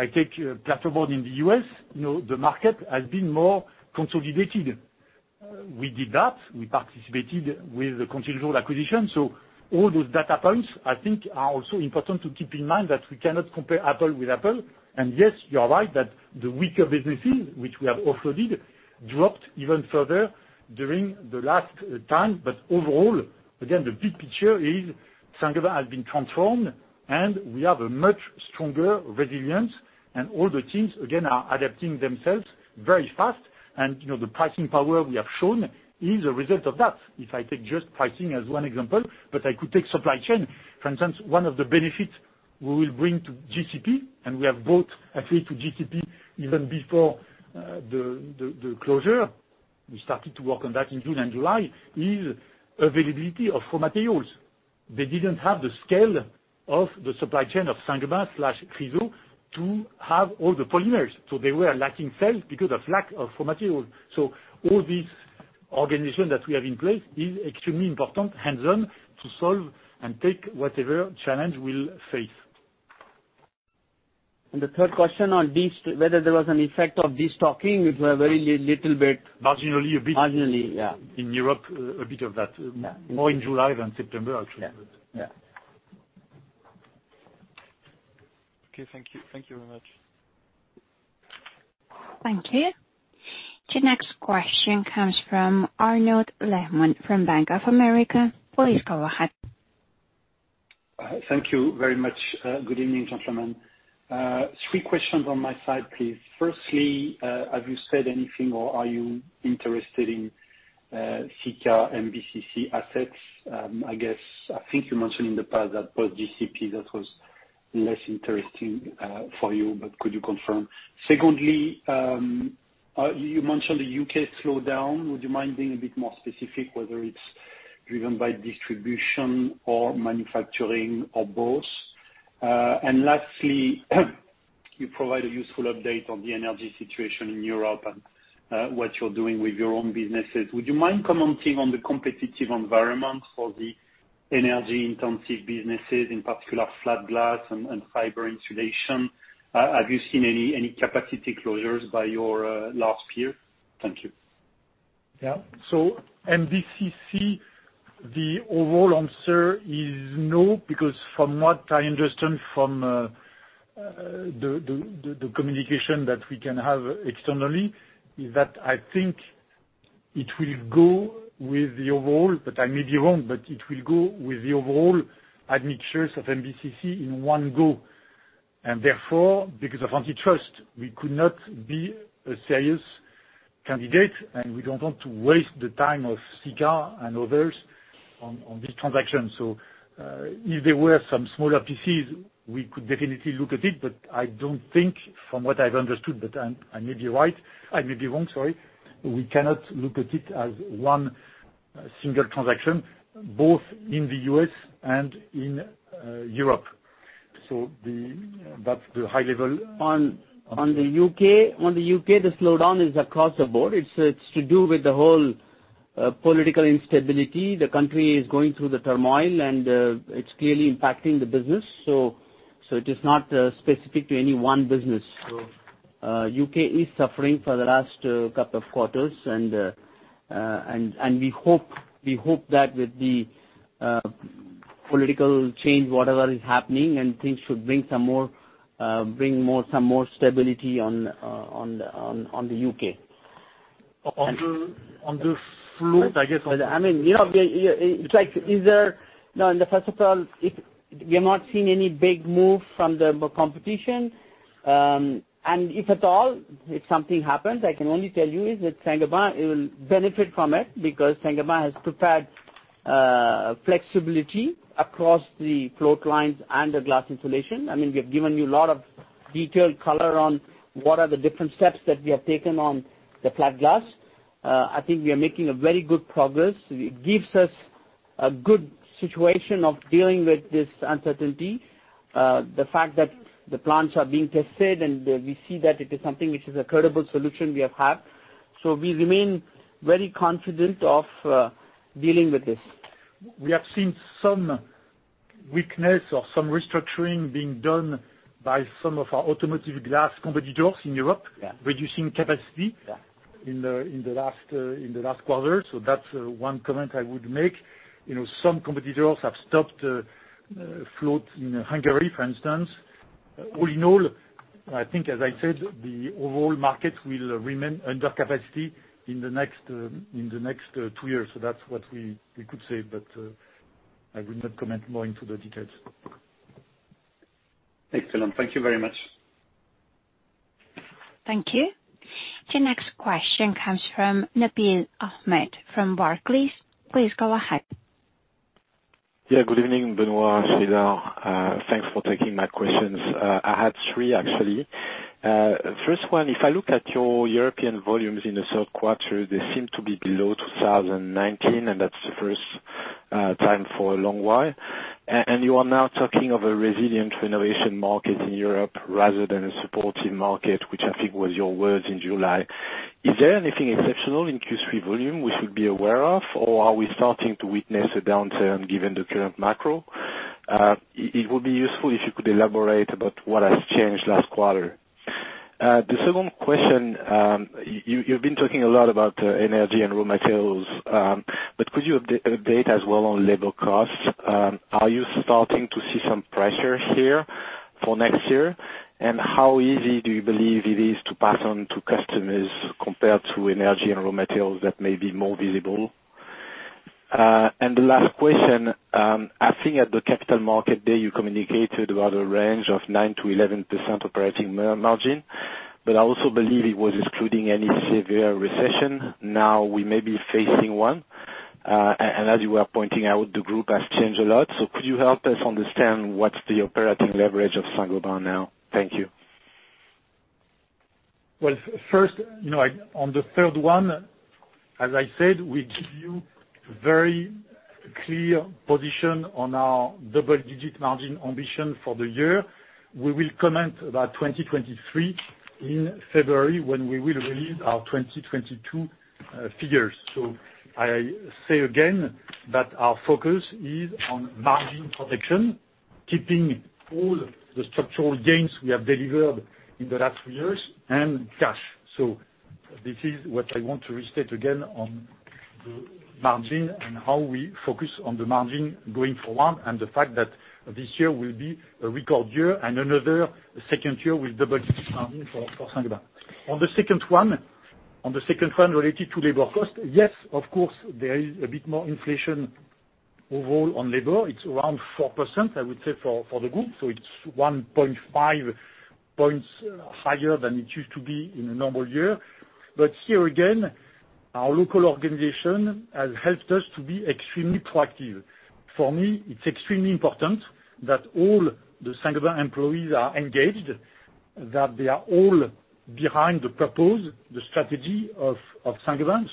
Speaker 2: take Plasterboard in the U.S., you know, the market has been more consolidated. We did that. We participated with the Continental acquisition. All those data points, I think, are also important to keep in mind that we cannot compare Apple with Apple. Yes, you are right, that the weaker businesses which we have offloaded dropped even further during the last time. Overall, again, the big picture is Saint-Gobain has been transformed, and we have a much stronger resilience. All the teams, again, are adapting themselves very fast. You know, the pricing power we have shown is a result of that, if I take just pricing as one example. I could take supply chain, for instance. One of the benefits we will bring to GCP, and we have both agreed to GCP even before the closure, we started to work on that in June and July is availability of raw materials. They didn't have the scale of the supply chain of Saint-Gobain/Chryso to have all the polymers. They were lacking sales because of lack of raw materials. All this organization that we have in place is extremely important hands-on to solve and take whatever challenge we'll face.
Speaker 3: The third question on this, whether there was an effect of this talking, it was a very little bit.
Speaker 2: Marginally, a bit.
Speaker 3: Marginally, yeah.
Speaker 2: In Europe, a bit of that.
Speaker 3: Yeah.
Speaker 2: More in July than September, actually.
Speaker 3: Yeah. Yeah.
Speaker 9: Okay, thank you. Thank you very much.
Speaker 1: Thank you. The next question comes from Arnaud Lehmann from Bank of America. Please go ahead.
Speaker 10: Thank you very much. Good evening, gentlemen. Three questions on my side, please. First, have you said anything or are you interested in Sika MBCC assets? I guess, I think you mentioned in the past that both GCP that was less interesting for you, but could you confirm? Second, you mentioned the U.K. slowdown. Would you mind being a bit more specific whether it's driven by distribution or manufacturing or both? Lastly, you provide a useful update on the energy situation in Europe and what you're doing with your own businesses. Would you mind commenting on the competitive environment for the energy intensive businesses, in particular flat glass and fiber insulation? Have you seen any capacity closures by your largest peer? Thank you.
Speaker 2: Yeah. MBCC, the overall answer is no, because from what I understand from the communication that we can have externally is that I think it will go with the overall, but I may be wrong, but it will go with the overall admixtures of MBCC in one go. Therefore, because of antitrust, we could not be a serious candidate, and we don't want to waste the time of Sika and others on this transaction. If there were some smaller pieces, we could definitely look at it, but I don't think from what I've understood, but I may be right, I may be wrong, sorry, we cannot look at it as one single transaction, both in the U.S. and in Europe. That's the high level.
Speaker 3: In the U.K., the slowdown is across the board. It's to do with the whole political instability. The country is going through the turmoil and it's clearly impacting the business. It is not specific to any one business. U.K. is suffering for the last couple of quarters and we hope that with the political change, whatever is happening and things should bring some more stability in the U.K..
Speaker 2: On the float, I guess.
Speaker 3: I mean, you know, first of all, if we have not seen any big move from the competition, and if at all, if something happens, I can only tell you is that Saint-Gobain will benefit from it because Saint-Gobain has prepared flexibility across the float lines and the glass insulation. I mean, we have given you a lot of detailed color on what are the different steps that we have taken on the flat glass. I think we are making a very good progress. It gives us a good situation of dealing with this uncertainty. The fact that the plants are being tested and we see that it is something which is a credible solution we have had. We remain very confident of dealing with this.
Speaker 2: We have seen some weakness or some restructuring being done by some of our automotive glass competitors in Europe.
Speaker 3: Yeah.
Speaker 2: reducing capacity
Speaker 3: Yeah.
Speaker 2: In the last quarter. That's one comment I would make. You know, some competitors have stopped float in Hungary, for instance. All in all, I think as I said, the overall market will remain under capacity in the next two years. That's what we could say. I would not comment more into the details.
Speaker 10: Excellent. Thank you very much.
Speaker 1: Thank you. The next question comes from Nabil Ahmed from Barclays. Please go ahead.
Speaker 11: Yeah, good evening, Benoit Bazin, Sreedhar. Thanks for taking my questions. I had three actually. First one, if I look at your European volumes in the third quarter, they seem to be below 2019, and that's the first time for a long while. And you are now talking of a resilient renovation market in Europe rather than a supportive market, which I think was your words in July. Is there anything exceptional in Q3 volume we should be aware of or are we starting to witness a downturn given the current macro? It would be useful if you could elaborate about what has changed last quarter. The second question, you've been talking a lot about energy and raw materials, but could you update as well on labor costs? Are you starting to see some pressure here for next year? How easy do you believe it is to pass on to customers compared to energy and raw materials that may be more visible? The last question, I think at the capital markets day you communicated about a range of 9%-11% operating margin, but I also believe it was excluding any severe recession. Now we may be facing one. And as you were pointing out, the group has changed a lot. Could you help us understand what's the operating leverage of Saint-Gobain now? Thank you.
Speaker 2: First, you know, on the third one, as I said, we give you very clear position on our double-digit margin ambition for the year. We will comment about 2023 in February when we will release our 2022 figures. I say again that our focus is on margin protection, keeping all the structural gains we have delivered in the last few years and cash. This is what I want to restate again on the margin and how we focus on the margin going forward, and the fact that this year will be a record year and another second year with double-digit margin for Saint-Gobain. On the second one related to labor cost, yes, of course there is a bit more inflation overall on labor. It's around 4%, I would say, for the group, so it's 1.5 points higher than it used to be in a normal year. Here again, our local organization has helped us to be extremely proactive. For me, it's extremely important that all the Saint-Gobain employees are engaged, that they are all behind the purpose, the strategy of Saint-Gobain.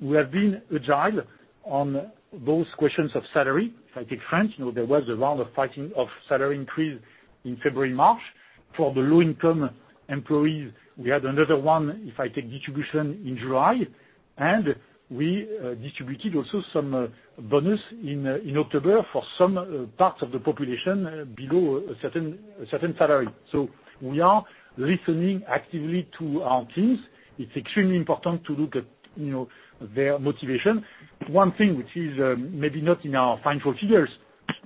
Speaker 2: We have been agile on those questions of salary. If I take France, you know, there was a round of bargaining for salary increase in February, March. For the low-income employees, we had another one, if I take distribution, in July. We distributed also some bonus in October for some parts of the population below a certain salary. We are listening actively to our teams. It's extremely important to look at, you know, their motivation. One thing which is maybe not in our financial figures,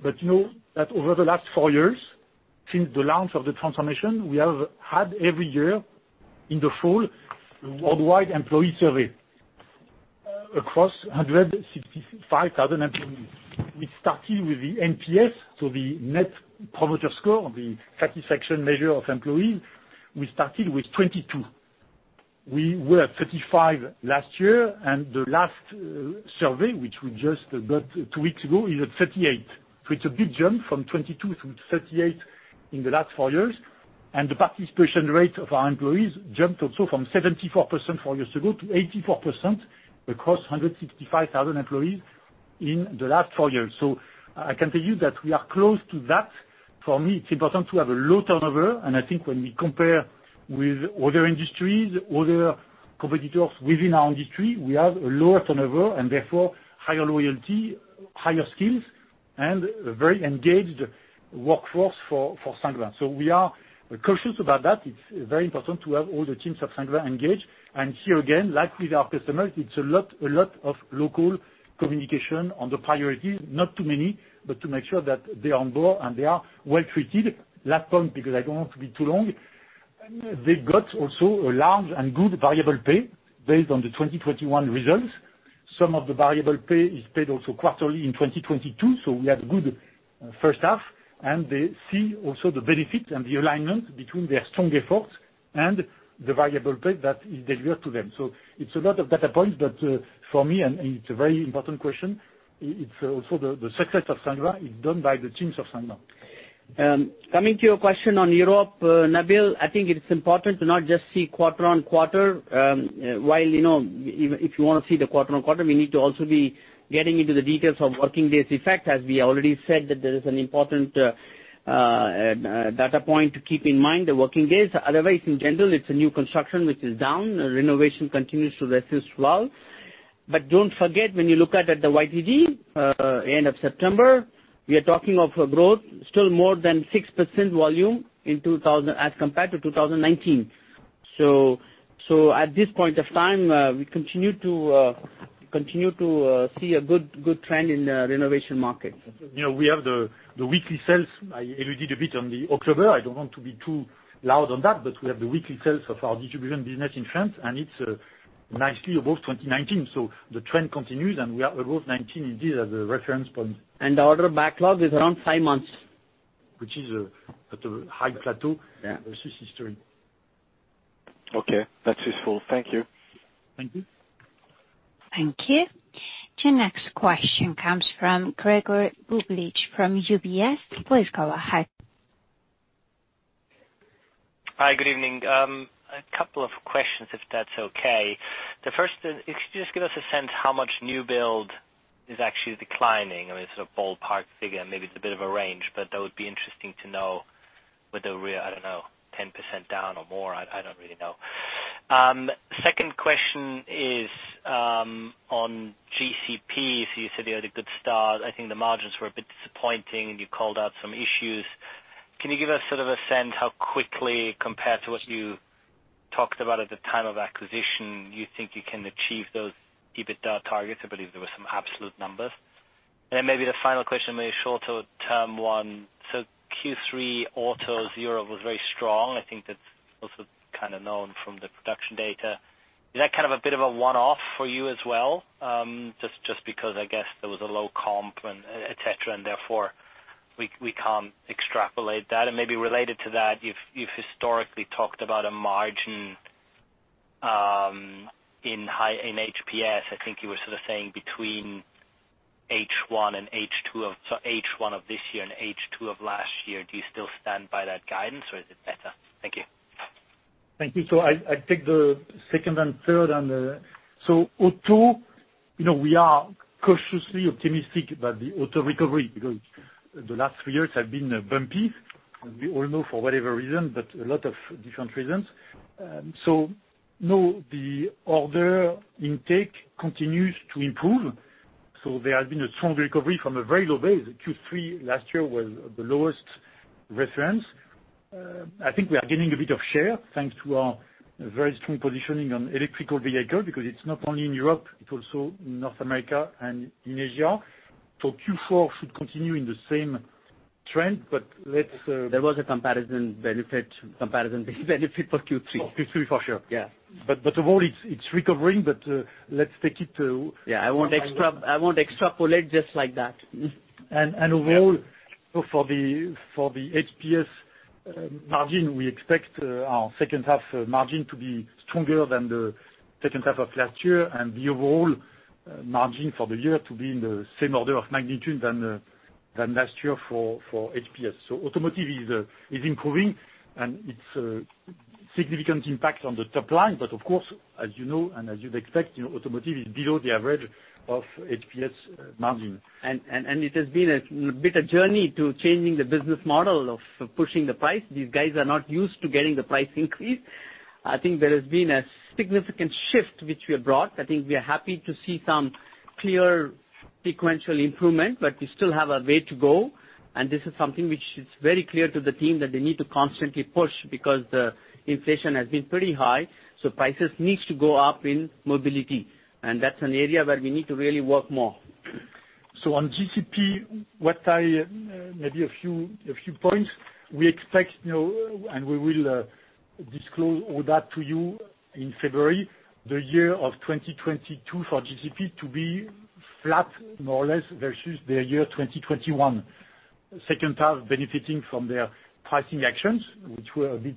Speaker 2: but you know that over the last four years since the launch of the transformation, we have had every year in the fall a worldwide employee survey across 165,000 employees. We started with the NPS, so the Net Promoter Score, the satisfaction measure of employees. We started with 22. We were at 35 last year, and the last survey, which we just got two weeks ago, is at 38. It's a big jump from 22-38 in the last four years. The participation rate of our employees jumped also from 74% four years ago to 84% across 165,000 employees in the last four years. I can tell you that we are close to that. For me, it's important to have a low turnover, and I think when we compare with other industries, other competitors within our industry, we have a lower turnover and therefore higher loyalty, higher skills, and a very engaged workforce for Saint-Gobain. We are cautious about that. It's very important to have all the teams of Saint-Gobain engaged. Here again, like with our customers, it's a lot of local communication on the priorities, not too many, but to make sure that they are on board and they are well treated. Last point, because I don't want to be too long, they've got also a large and good variable pay based on the 2021 results. Some of the variable pay is paid also quarterly in 2022, so we had good first half, and they see also the benefit and the alignment between their strong efforts and the variable pay that is delivered to them. It's a lot of data points, but for me, and it's a very important question, it's also the success of Saint-Gobain is done by the teams of Saint-Gobain.
Speaker 3: Coming to your question on Europe, Nabil, I think it's important to not just see quarter-on-quarter, while, you know, if you wanna see the quarter-on-quarter, we need to also be getting into the details of working days effect. As we already said that there is an important data point to keep in mind, the working days. Otherwise, in general, it's new construction which is down. Renovation continues to resist well. But don't forget, when you look at the YTD end of September, we are talking of a growth still more than 6% volume in 2020 as compared to 2019. At this point of time, we continue to see a good trend in the renovation market.
Speaker 2: You know, we have the weekly sales. I alluded a bit on the October. I don't want to be too loud on that, but we have the weekly sales of our distribution business in France, and it's nicely above 2019. The trend continues, and we are above 2019 indeed as a reference point.
Speaker 3: The order backlog is around five months.
Speaker 2: Which is at a high plateau.
Speaker 3: Yeah.
Speaker 2: vs history.
Speaker 11: Okay. That's useful. Thank you.
Speaker 2: Thank you.
Speaker 1: Thank you. The next question comes from Gregor Kuglitsch from UBS. Please go ahead.
Speaker 12: Hi. Good evening. A couple of questions, if that's okay. The first is, could you just give us a sense how much new build is actually declining? I mean, sort of ballpark figure, maybe it's a bit of a range, but that would be interesting to know. Whether it's, I don't know, 10% down or more, I don't really know. Second question is, on GCPs, you said you had a good start. I think the margins were a bit disappointing. You called out some issues. Can you give us sort of a sense how quickly, compared to what you talked about at the time of acquisition, you think you can achieve those EBITDA targets? I believe there were some absolute numbers. Then maybe the final question, maybe shorter term one. Q3 autos were very strong. I think that's also kind of known from the production data. Is that kind of a bit of a one-off for you as well? Just because I guess there was a low comp and et cetera, and therefore, we can't extrapolate that. Maybe related to that, you've historically talked about a margin in HPS. I think you were sort of saying between H1 of this year and H2 of last year. Do you still stand by that guidance or is it better? Thank you.
Speaker 2: Thank you. I take the second and third. Auto, you know, we are cautiously optimistic about the auto recovery because the last three years have been bumpy. We all know, for whatever reason, but a lot of different reasons. No, the order intake continues to improve, so there has been a strong recovery from a very low base. Q3 last year was the lowest reference. I think we are gaining a bit of share thanks to our very strong positioning on electric vehicle, because it's not only in Europe, it also North America and in Asia. Q4 should continue in the same trend, but let's.
Speaker 3: There was a comparison benefit for Q3.
Speaker 2: Q3, for sure.
Speaker 3: Yeah.
Speaker 2: Overall, it's recovering. Let's take it to
Speaker 3: Yeah, I won't.
Speaker 2: I won't-
Speaker 3: I won't extrapolate just like that.
Speaker 2: Overall, for the HPS margin, we expect our second half margin to be stronger than the second half of last year and the overall margin for the year to be in the same order of magnitude than last year for HPS. Automotive is improving and it's a significant impact on the top line. Of course, as you know and as you'd expect, you know, automotive is below the average of HPS margin.
Speaker 3: It has been a bit of a journey to changing the business model of pushing the price. These guys are not used to getting the price increase. I think there has been a significant shift which we have brought. I think we are happy to see some clear sequential improvement, but we still have a way to go. This is something which is very clear to the team that they need to constantly push because the inflation has been pretty high, so prices need to go up in Mobility. That's an area where we need to really work more.
Speaker 2: On GCP, maybe a few points we expect, you know, and we will disclose all that to you in February, the year of 2022 for GCP to be flat more or less versus the year 2021. Second half benefiting from their pricing actions, which were a bit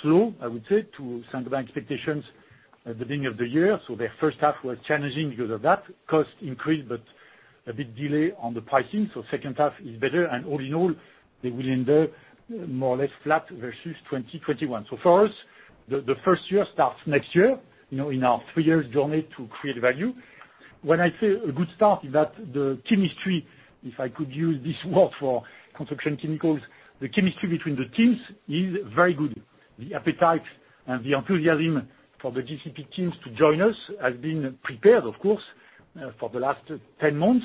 Speaker 2: slow, I would say, to some of our expectations at the beginning of the year. Their first half was challenging because of that cost increase, but a big delay on the pricing. Second half is better. All in all, they will end more or less flat versus 2021. For us, the first year starts next year, you know, in our three years journey to create value. When I say a good start is that the chemistry, if I could use this word for construction chemicals, the chemistry between the teams is very good. The appetite and the enthusiasm for the GCP teams to join us has been prepared, of course, for the last 10 months.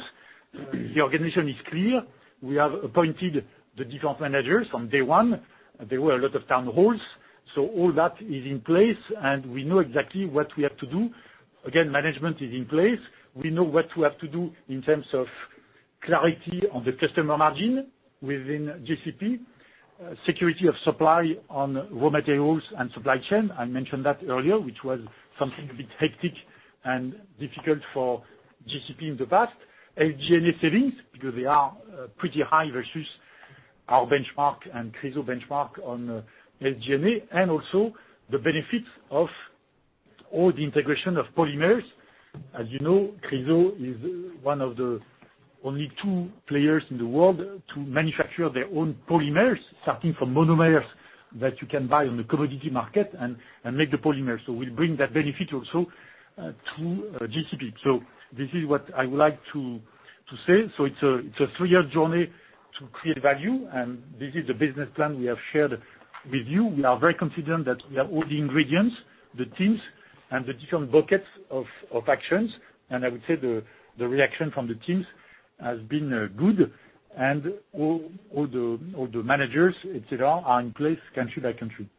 Speaker 2: The organization is clear. We have appointed the different managers from day one. There were a lot of town halls. All that is in place and we know exactly what we have to do. Again, management is in place. We know what we have to do in terms of clarity on the customer margin within GCP, security of supply on raw materials and supply chain. I mentioned that earlier, which was something a bit hectic and difficult for GCP in the past. SG&A savings because they are pretty high versus our benchmark and Chryso benchmark on SG&A. Also the benefits of all the integration of polymers. As you know, Chryso is one of the only two players in the world to manufacture their own polymers, starting from monomers that you can buy on the commodity market and make the polymers. We'll bring that benefit also to GCP. This is what I would like to say. It's a three-year journey to create value, and this is the business plan we have shared with you. We are very confident that we have all the ingredients, the teams and the different buckets of actions. I would say the reaction from the teams has been good and all the managers, et cetera, are in place country by country.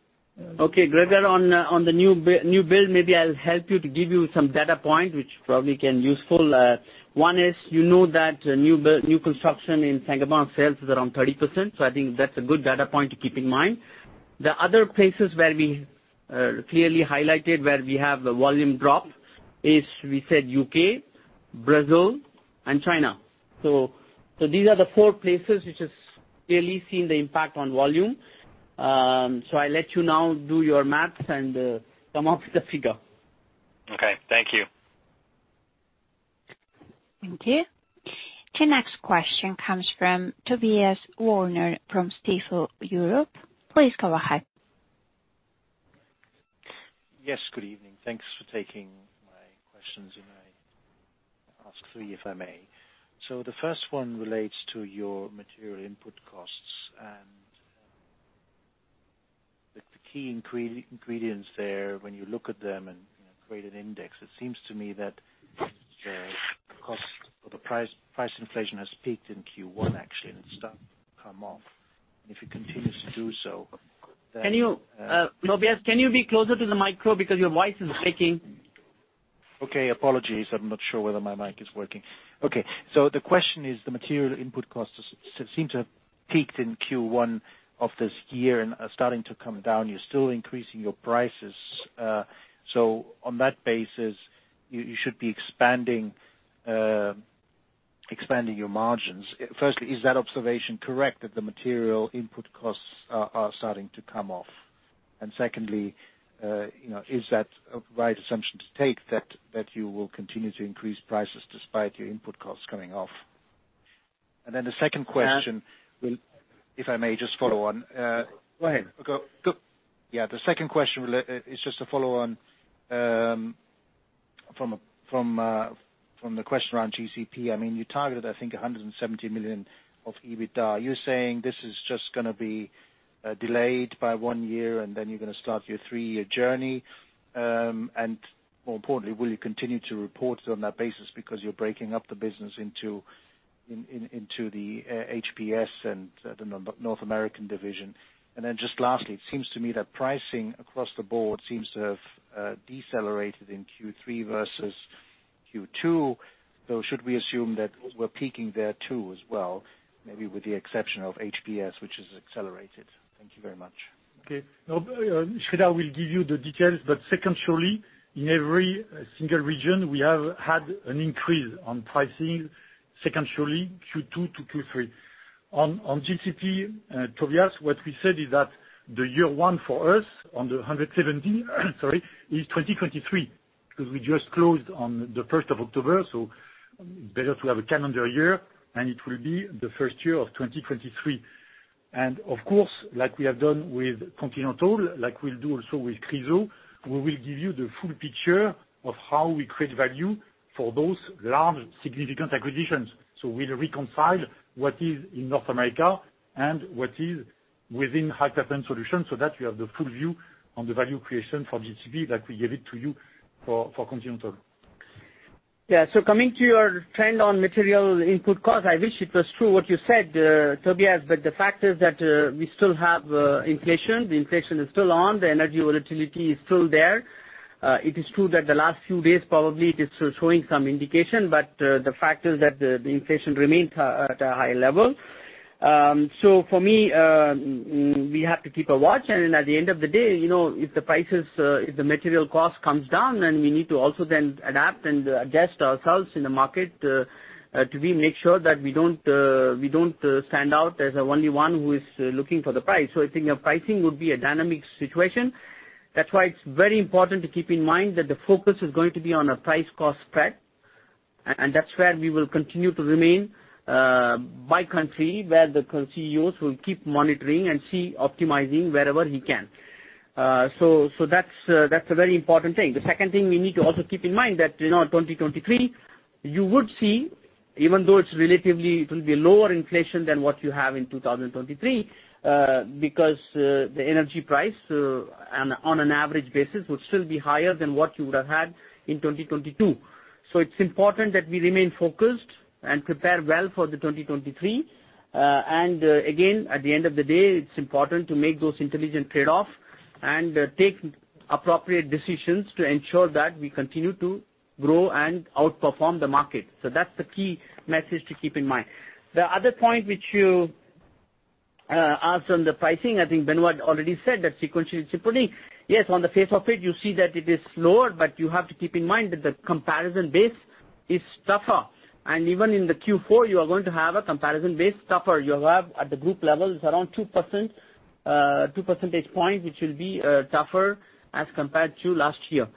Speaker 3: Okay, Gregor, on the new build, maybe I'll help you to give you some data point which probably can be useful. One is you know that new construction in Saint-Gobain sales is around 30%, so I think that's a good data point to keep in mind. The other places where we clearly highlighted where we have a volume drop is we said U.K., Brazil, and China. These are the four places which has clearly seen the impact on volume. I'll let you now do your math and come up with the figure.
Speaker 12: Okay, thank you.
Speaker 1: Thank you. The next question comes from Tobias Woerner from Stifel Europe. Please go ahead.
Speaker 13: Yes, good evening. Thanks for taking three, if I may. The first one relates to your material input costs and the key ingredients there when you look at them and, you know, create an index. It seems to me that the cost or the price inflation has peaked in Q1 actually, and it's started to come off. If it continues to do so, then.
Speaker 3: Can you, Tobias, be closer to the mic because your voice is breaking?
Speaker 13: Okay, apologies. I'm not sure whether my mic is working. Okay. The question is the material input costs seem to have peaked in Q1 of this year and are starting to come down. You're still increasing your prices. On that basis, you should be expanding your margins. Firstly, is that observation correct, that the material input costs are starting to come off? Secondly, you know, is that a right assumption to take that you will continue to increase prices despite your input costs coming off? The second question.
Speaker 3: Yeah
Speaker 13: Will, if I may just follow on
Speaker 3: Go ahead. Go.
Speaker 13: Yeah. The second question is just to follow on from the question around GCP. I mean, you targeted, I think, 100 million of EBITDA. You're saying this is just gonna be delayed by one year, and then you're gonna start your three-year journey. And more importantly, will you continue to report on that basis because you're breaking up the business into the HPS and the North American division? And then just lastly, it seems to me that pricing across the board seems to have decelerated in Q3 versus Q2. Should we assume that we're peaking there too as well? Maybe with the exception of HPS, which is accelerated. Thank you very much.
Speaker 2: Sreedhar will give you the details, but sequentially, in every single region, we have had an increase on pricing sequentially Q2-Q3. On GCP, Tobias, what we said is that the year one for us on the 170 is 2023 because we just closed on the first of October, so better to have a calendar year, and it will be the first year of 2023. Of course, like we have done with Continental, like we'll do also with Chryso, we will give you the full picture of how we create value for those large significant acquisitions. We'll reconcile what is in North America and what is High Performance Solutions so that we have the full view on the value creation for GCP, like we gave it to you for Continental.
Speaker 3: Yeah. Coming to your trend on material input cost, I wish it was true what you said, Tobias, but the fact is that we still have inflation. The inflation is still on. The energy volatility is still there. It is true that the last few days probably it is showing some indication, but the fact is that the inflation remains high, at a high level. For me, we have to keep a watch, and at the end of the day, you know, if the prices, if the material cost comes down, then we need to also then adapt and adjust ourselves in the market, to make sure that we don't stand out as the only one who is looking for the price. I think our pricing would be a dynamic situation. That's why it's very important to keep in mind that the focus is going to be on a price-cost spread. That's where we will continue to remain, by country, where the country units will keep monitoring and optimizing wherever they can. That's a very important thing. The second thing we need to also keep in mind that, you know, 2023, you would see, even though it's relatively, it will be lower inflation than what you had in 2022, because the energy price, on an average basis would still be higher than what you would have had in 2022. It's important that we remain focused and prepare well for 2023. Again, at the end of the day, it's important to make those intelligent trade-off and take appropriate decisions to ensure that we continue to grow and outperform the market. That's the key message to keep in mind. The other point which you asked on the pricing, I think Benoit already said that sequentially it's improving. Yes, on the face of it, you see that it is lower, but you have to keep in mind that the comparison base is tougher. Even in the Q4, you are going to have a comparison base tougher. You have, at the group level, it's around 2%, 2% points, which will be tougher as compared to last year.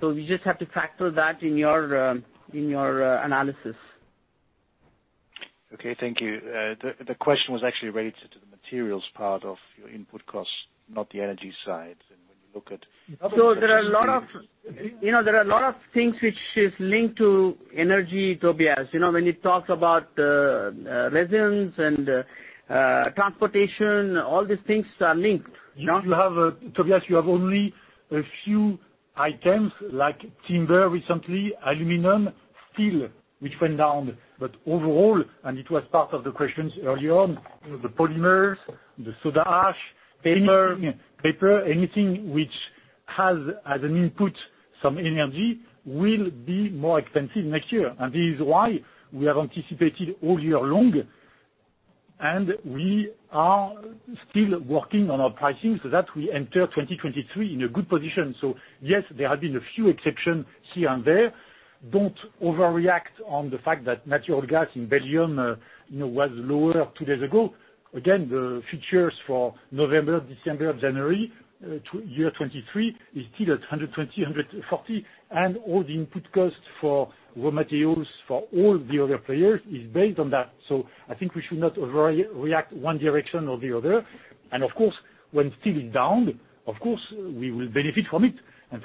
Speaker 3: You just have to factor that in your analysis.
Speaker 13: Okay. Thank you. The question was actually related to the materials part of your input costs, not the energy side. When you look at-
Speaker 3: There are a lot of things which is linked to energy, Tobias. You know, when you talk about resins and transportation, all these things are linked.
Speaker 2: You have, Tobias, only a few items like timber, recently aluminum, steel, which went down. Overall, and it was part of the questions earlier on, the polymers, the soda ash-
Speaker 13: Paper
Speaker 2: Paper, anything which has as an input some energy will be more expensive next year. This is why we have anticipated all year long, and we are still working on our pricing so that we enter 2023 in a good position. Yes, there have been a few exceptions here and there. Don't overreact on the fact that natural gas in Belgium, you know, was lower two days ago. Again, the futures for November, December, January, year 2023 is still at 120-140. All the input costs for raw materials for all the other players is based on that. I think we should not overreact one direction or the other. Of course, when it's still down, of course, we will benefit from it.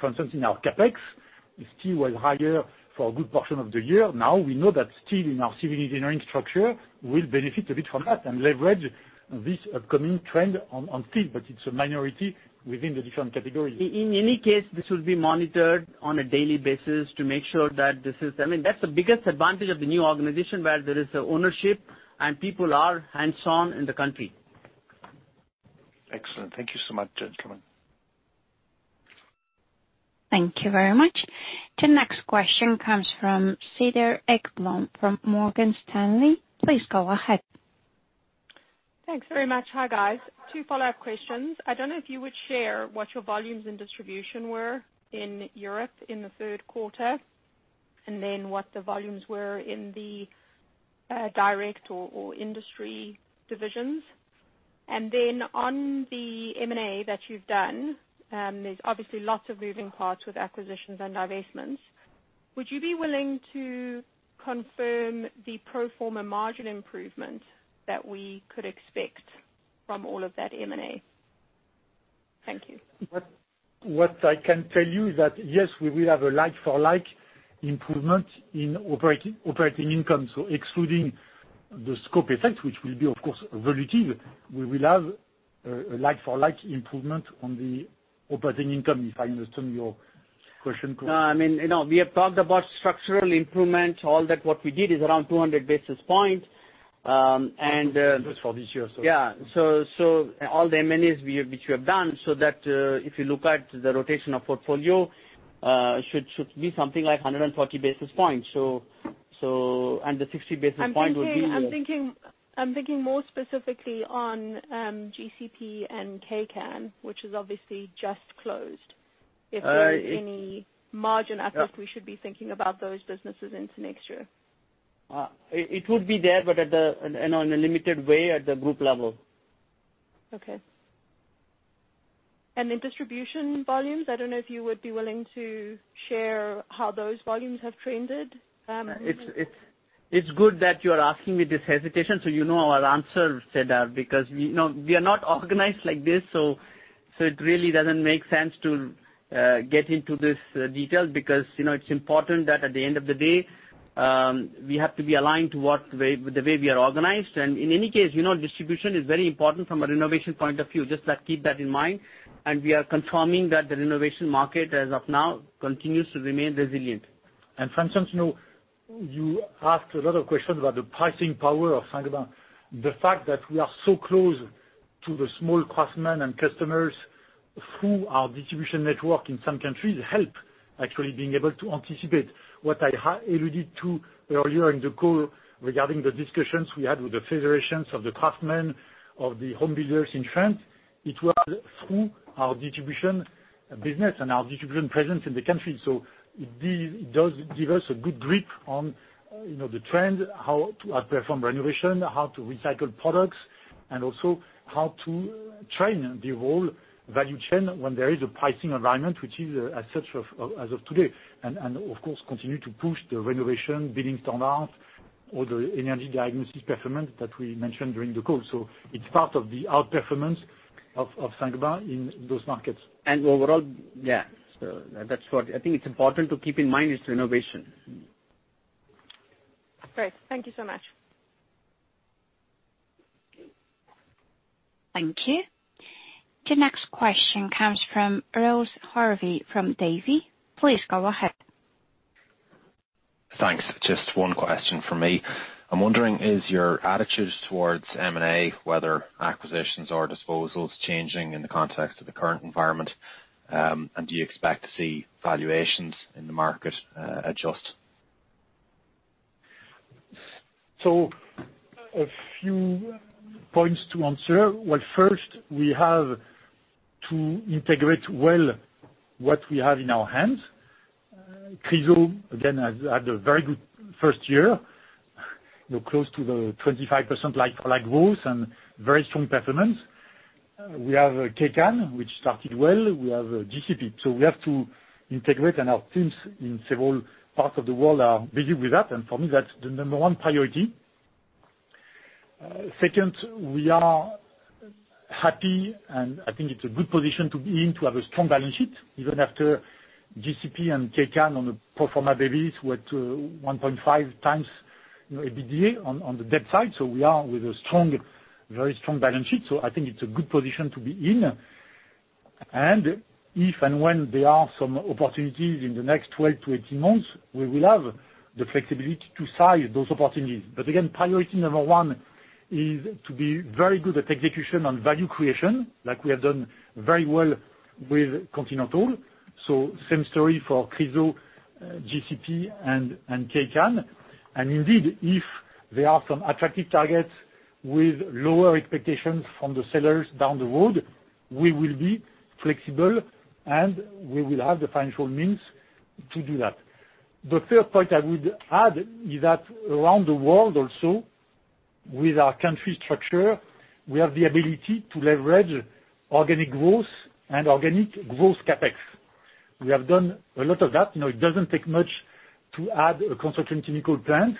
Speaker 2: For instance, in our CapEx, steel was higher for a good portion of the year. Now we know that steel in our civil engineering structure will benefit a bit from that and leverage this upcoming trend on steel, but it's a minority within the different categories.
Speaker 3: In any case, this will be monitored on a daily basis to make sure. I mean, that's the biggest advantage of the new organization, where there is ownership and people are hands-on in the country.
Speaker 1: Excellent. Thank you so much, gentlemen. Thank you very much. The next question comes from Cedar Ekblom from Morgan Stanley. Please go ahead.
Speaker 14: Thanks very much. Hi, guys. Two follow-up questions. I don't know if you would share what your volumes in distribution were in Europe in the third quarter, and then what the volumes were in the direct or industry divisions. On the M&A that you've done, there's obviously lots of moving parts with acquisitions and divestitures. Would you be willing to confirm the pro forma margin improvement that we could expect from all of that M&A? Thank you.
Speaker 2: What I can tell you is that, yes, we will have a like-for-like improvement in operating income. Excluding the scope effect, which will be of course relative, we will have a like-for-like improvement on the operating income, if I understand your question correct.
Speaker 3: No, I mean, you know, we have talked about structural improvements. All that what we did is around 200 basis points, and
Speaker 2: Just for this year, so.
Speaker 3: Yeah. All the M&As, which we have done, so that if you look at the rotation of portfolio, should be something like 140 basis points. The 60 basis point would be-
Speaker 14: I'm thinking more specifically on GCP and Kaycan, which is obviously just closed.
Speaker 3: Uh-
Speaker 14: If there's any margin uplift.
Speaker 3: Yeah.
Speaker 14: We should be thinking about those businesses into next year.
Speaker 3: It would be there, but in a limited way at the group level.
Speaker 14: Okay. The distribution volumes, I don't know if you would be willing to share how those volumes have trended?
Speaker 3: It's good that you're asking me this question, so you know our answer, Cedar, because you know, we are not organized like this, so it really doesn't make sense to get into these details because you know, it's important that at the end of the day, we have to be aligned to the way we are organized. In any case, you know, distribution is very important from a renovation point of view. Just like keep that in mind. We are confirming that the renovation market as of now continues to remain resilient.
Speaker 2: Sometimes, you know, you asked a lot of questions about the pricing power of Saint-Gobain. The fact that we are so close to the small craftsmen and customers through our distribution network in some countries help actually being able to anticipate. What I alluded to earlier in the call regarding the discussions we had with the federations of the craftsmen, of the home builders in France, it was through our distribution business and our distribution presence in the country. It does give us a good grip on, you know, the trend, how to outperform renovation, how to recycle products, and also how to train the whole value chain when there is a pricing environment as of today. Of course continue to push the renovation, building standards, all the energy diagnosis performance that we mentioned during the call. It's part of the outperformance of Saint-Gobain in those markets.
Speaker 3: Overall, yeah. I think it's important to keep in mind it's renovation.
Speaker 14: Great. Thank you so much.
Speaker 1: Thank you. The next question comes from Ross Harvey from Davy. Please go ahead.
Speaker 15: Thanks. Just one question from me. I'm wondering, is your attitude towards M&A, whether acquisitions or disposals, changing in the context of the current environment? Do you expect to see valuations in the market adjust?
Speaker 2: A few points to answer. Well, first, we have to integrate well what we have in our hands. Chryso again has had a very good first year, you know, close to the 25% like-for-like growth and very strong performance. We have Kaycan, which started well. We have GCP. We have to integrate, and our teams in several parts of the world are busy with that. For me, that's the number one priority. Second, we are happy, and I think it's a good position to be in to have a strong balance sheet, even after GCP and Kaycan on a pro forma basis, we're at 1.5x, you know, EBITDA on the debt side. We are with a strong, very strong balance sheet. I think it's a good position to be in. If and when there are some opportunities in the next 12-18 months, we will have the flexibility to size those opportunities. Again, priority number one is to be very good at execution on value creation, like we have done very well with Continental. Same story for Chryso, GCP, and Kaycan. Indeed, if there are some attractive targets with lower expectations from the sellers down the road, we will be flexible, and we will have the financial means to do that. The third point I would add is that around the world also, with our country structure, we have the ability to leverage organic growth and organic growth CapEx. We have done a lot of that. You know, it doesn't take much to add a construction chemical plant.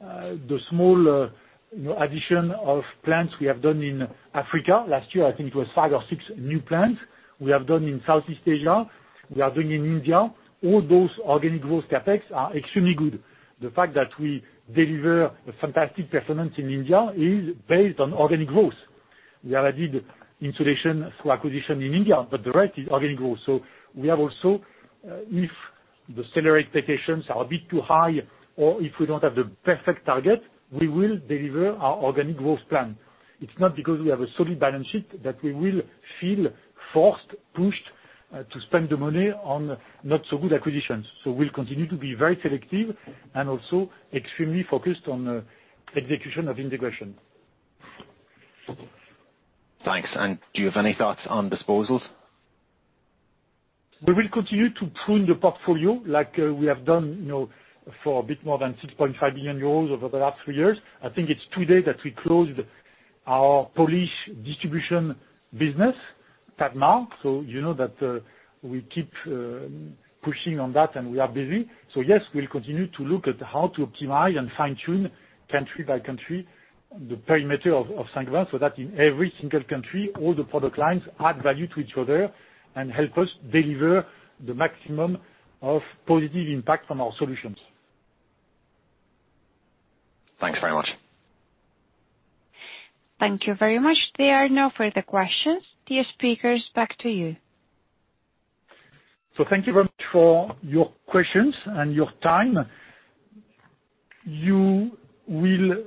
Speaker 2: The small, you know, addition of plants we have done in Africa. Last year, I think it was 5 or 6 new plants. We have done in Southeast Asia, we are doing in India. All those organic growth CapEx are extremely good. The fact that we deliver a fantastic performance in India is based on organic growth. We have added insulation through acquisition in India, but the rest is organic growth. We have also, if the seller expectations are a bit too high or if we don't have the perfect target, we will deliver our organic growth plan. It's not because we have a solid balance sheet that we will feel forced, pushed, to spend the money on not so good acquisitions. We'll continue to be very selective and also extremely focused on, execution of integration.
Speaker 15: Thanks. Do you have any thoughts on disposals?
Speaker 2: We will continue to prune the portfolio like we have done, you know, for a bit more than 6.5 billion euros over the last three years. I think it's today that we closed our Polish distribution business, Budmat. You know that we keep pushing on that, and we are busy. Yes, we'll continue to look at how to optimize and fine-tune country by country the perimeter of Saint-Gobain, so that in every single country all the product lines add value to each other and help us deliver the maximum of positive IMPAC from our solutions.
Speaker 15: Thanks very much.
Speaker 1: Thank you very much. There are no further questions. Dear speakers, back to you.
Speaker 2: Thank you very much for your questions and your time. You will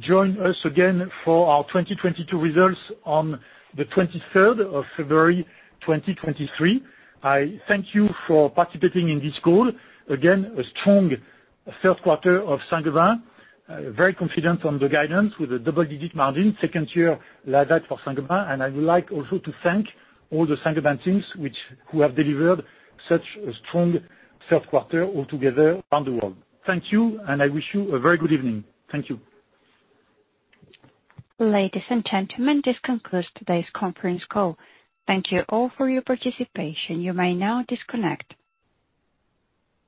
Speaker 2: join us again for our 2022 results on the 23rd of February 2023. I thank you for participating in this call. Again, a strong third quarter of Saint-Gobain. Very confident on the guidance with a double-digit margin. Second year like that for Saint-Gobain. I would like also to thank all the Saint-Gobain teams who have delivered such a strong third quarter altogether around the world. Thank you, and I wish you a very good evening. Thank you.
Speaker 1: Ladies and gentlemen, this concludes today's conference call. Thank you all for your participation. You may now disconnect.